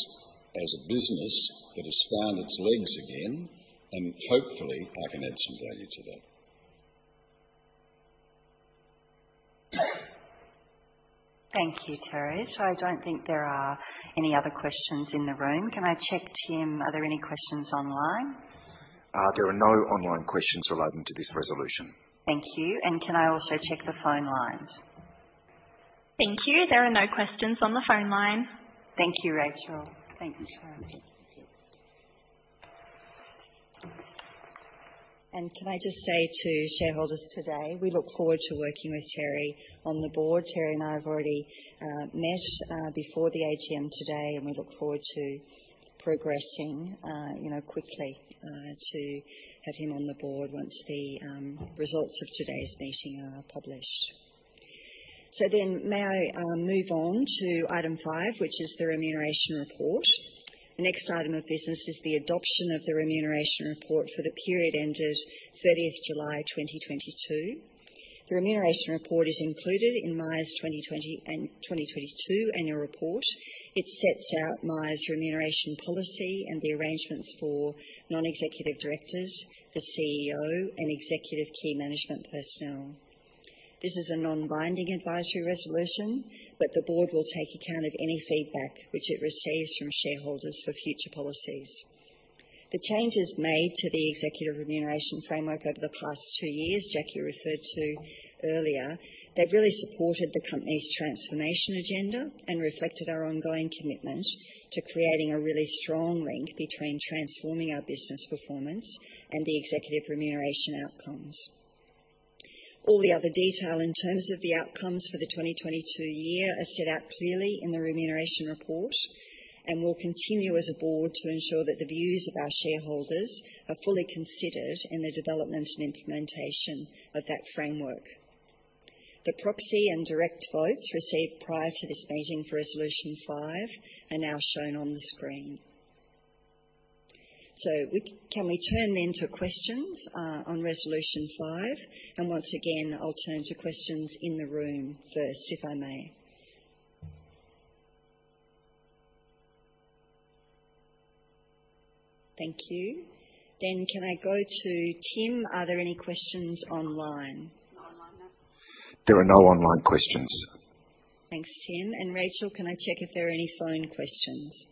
as a business that has found its legs again, and hopefully, I can add some value to that. Thank you, Terry. I don't think there are any other questions in the room. Can I check, Tim, are there any questions online? There are no online questions relating to this resolution. Thank you. Can I also check the phone lines? Thank you. There are no questions on the phone line. Thank you, Rachel. Thank you, Terry. Thank you. Can I just say to shareholders today, we look forward to working with Terry on the board. Terry and I have already met before the AGM today, and we look forward to progressing quickly to have him on the board once the results of today's meeting are published. May I move on to item five, which is the remuneration report. The next item of business is the adoption of the remuneration report for the period ended thirtieth July 2022. The remuneration report is included in Myer's 2020 and 2022 annual report. It sets out Myer's remuneration policy and the arrangements for non-executive directors, the CEO and executive key management personnel. This is a non-binding advisory resolution, but the board will take account of any feedback which it receives from shareholders for future policies. The changes made to the executive remuneration framework over the past two years, Jacquie referred to earlier, have really supported the company's transformation agenda and reflected our ongoing commitment to creating a really strong link between transforming our business performance and the executive remuneration outcomes. All the other detail in terms of the outcomes for the 2022 year are set out clearly in the remuneration report and will continue as a board to ensure that the views of our shareholders are fully considered in the development and implementation of that framework. The proxy and direct votes received prior to this meeting for resolution 5 are now shown on the screen. Can we turn then to questions on resolution 5? Once again, I'll turn to questions in the room first, if I may. Thank you. Can I go to Tim? Are there any questions online? There are no online questions. Thanks, Tim. Rachel, can I check if there are any phone questions?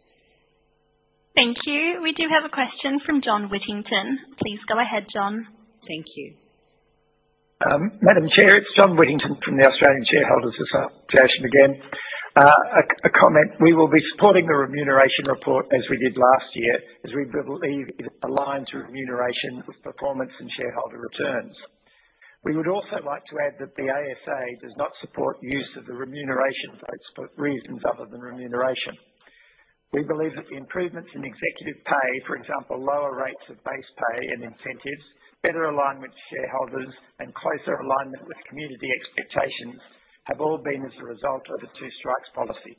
Thank you. We do have a question from John Whittington. Please go ahead, John. Thank you. Madam Chair, it's John Whittington from the Australian Shareholders' Association again. A comment. We will be supporting the remuneration report as we did last year, as we believe it aligns remuneration with performance and shareholder returns. We would also like to add that the ASA does not support use of the remuneration votes for reasons other than remuneration. We believe that the improvements in executive pay, for example, lower rates of base pay and incentives, better alignment to shareholders, and closer alignment with community expectations, have all been as a result of the two-strikes policy.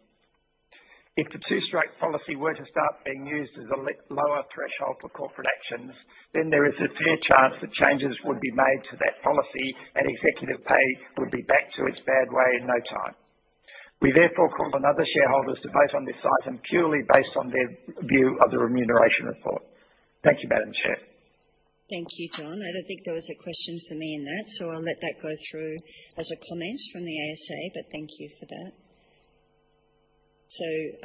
If the two-strike policy were to start being used as a lower threshold for corporate actions, then there is a fair chance that changes would be made to that policy and executive pay would be back to its bad way in no time. We therefore call another shareholders to vote on this item purely based on their view of the Remuneration Report. Thank you, Madam Chair. Thank you, John. I don't think there was a question for me in that, so I'll let that go through as a comment from the ASA, but thank you for that.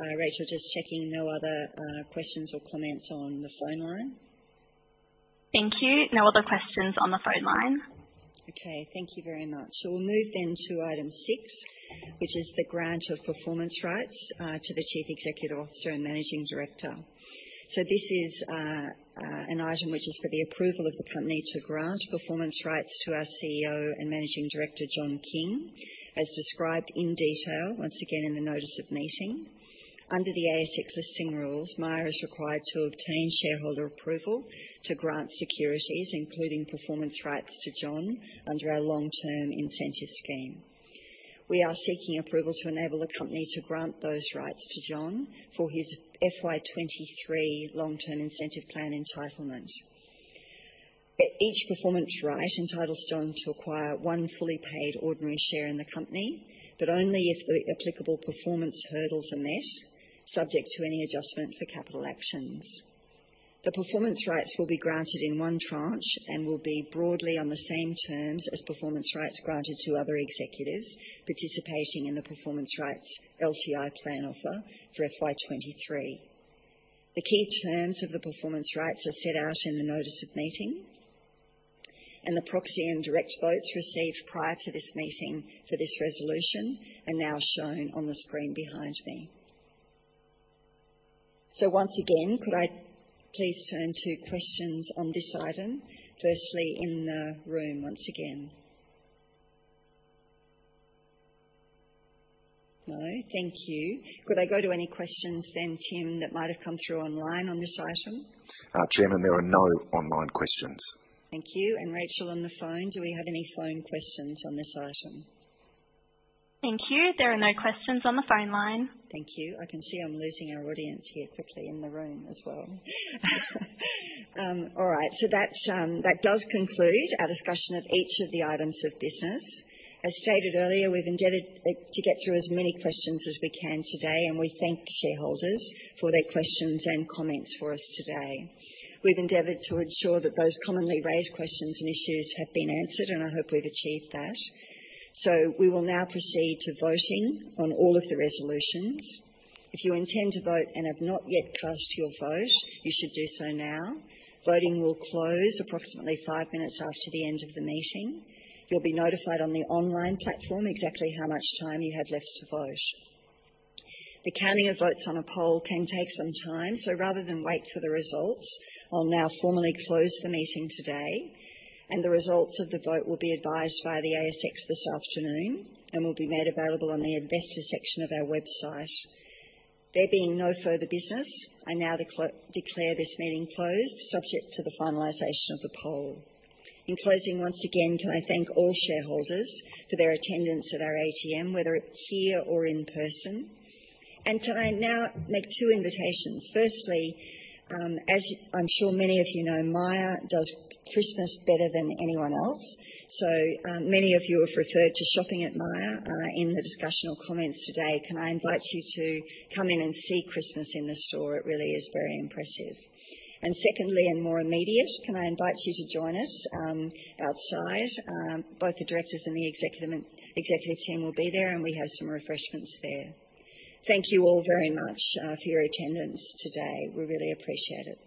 Rachel, just checking, no other questions or comments on the phone line? Thank you. No other questions on the phone line. Okay. Thank you very much. We'll move then to item six, which is the grant of performance rights to the Chief Executive Officer and Managing Director. This is an item which is for the approval of the company to grant performance rights to our CEO and Managing Director, John King, as described in detail once again in the notice of meeting. Under the ASX Listing Rules, Myer is required to obtain shareholder approval to grant securities, including performance rights to John under our long-term incentive scheme. We are seeking approval to enable the company to grant those rights to John for his FY 2023 long-term incentive plan entitlement. Each performance right entitles John to acquire one fully paid ordinary share in the company, but only if the applicable performance hurdles are met, subject to any adjustment for capital actions. The performance rights will be granted in one tranche and will be broadly on the same terms as performance rights granted to other executives participating in the performance rights LTI plan offer for FY23. The key terms of the performance rights are set out in the notice of meeting, and the proxy and direct votes received prior to this meeting for this resolution are now shown on the screen behind me. Once again, could I please turn to questions on this item, firstly in the room once again? No? Thank you. Could I go to any questions then, Tim, that might have come through online on this item? Chairman, there are no online questions. Thank you. Rachel on the phone, do we have any phone questions on this item? Thank you. There are no questions on the phone line. Thank you. I can see I'm losing our audience here quickly in the room as well. That does conclude our discussion of each of the items of business. As stated earlier, we've endeavored to get through as many questions as we can today, and we thank the shareholders for their questions and comments for us today. We've endeavored to ensure that those commonly raised questions and issues have been answered, and I hope we've achieved that. We will now proceed to voting on all of the resolutions. If you intend to vote and have not yet cast your vote, you should do so now. Voting will close approximately 5 minutes after the end of the meeting. You'll be notified on the online platform exactly how much time you have left to vote. The counting of votes on a poll can take some time, so rather than wait for the results, I'll now formally close the meeting today, and the results of the vote will be advised by the ASX this afternoon and will be made available on the investor section of our website. There being no further business, I now declare this meeting closed subject to the finalization of the poll. In closing once again, can I thank all shareholders for their attendance at our AGM, whether it's here or in person. Can I now make two invitations. Firstly, as I'm sure many of you know, Myer does Christmas better than anyone else. Many of you have referred to shopping at Myer in the discussion comments today. Can I invite you to come in and see Christmas in the store. It really is very impressive. Secondly, and more immediate, can I invite you to join us outside? Both the directors and the executive team will be there, and we have some refreshments there. Thank you all very much for your attendance today. We really appreciate it. Thank you.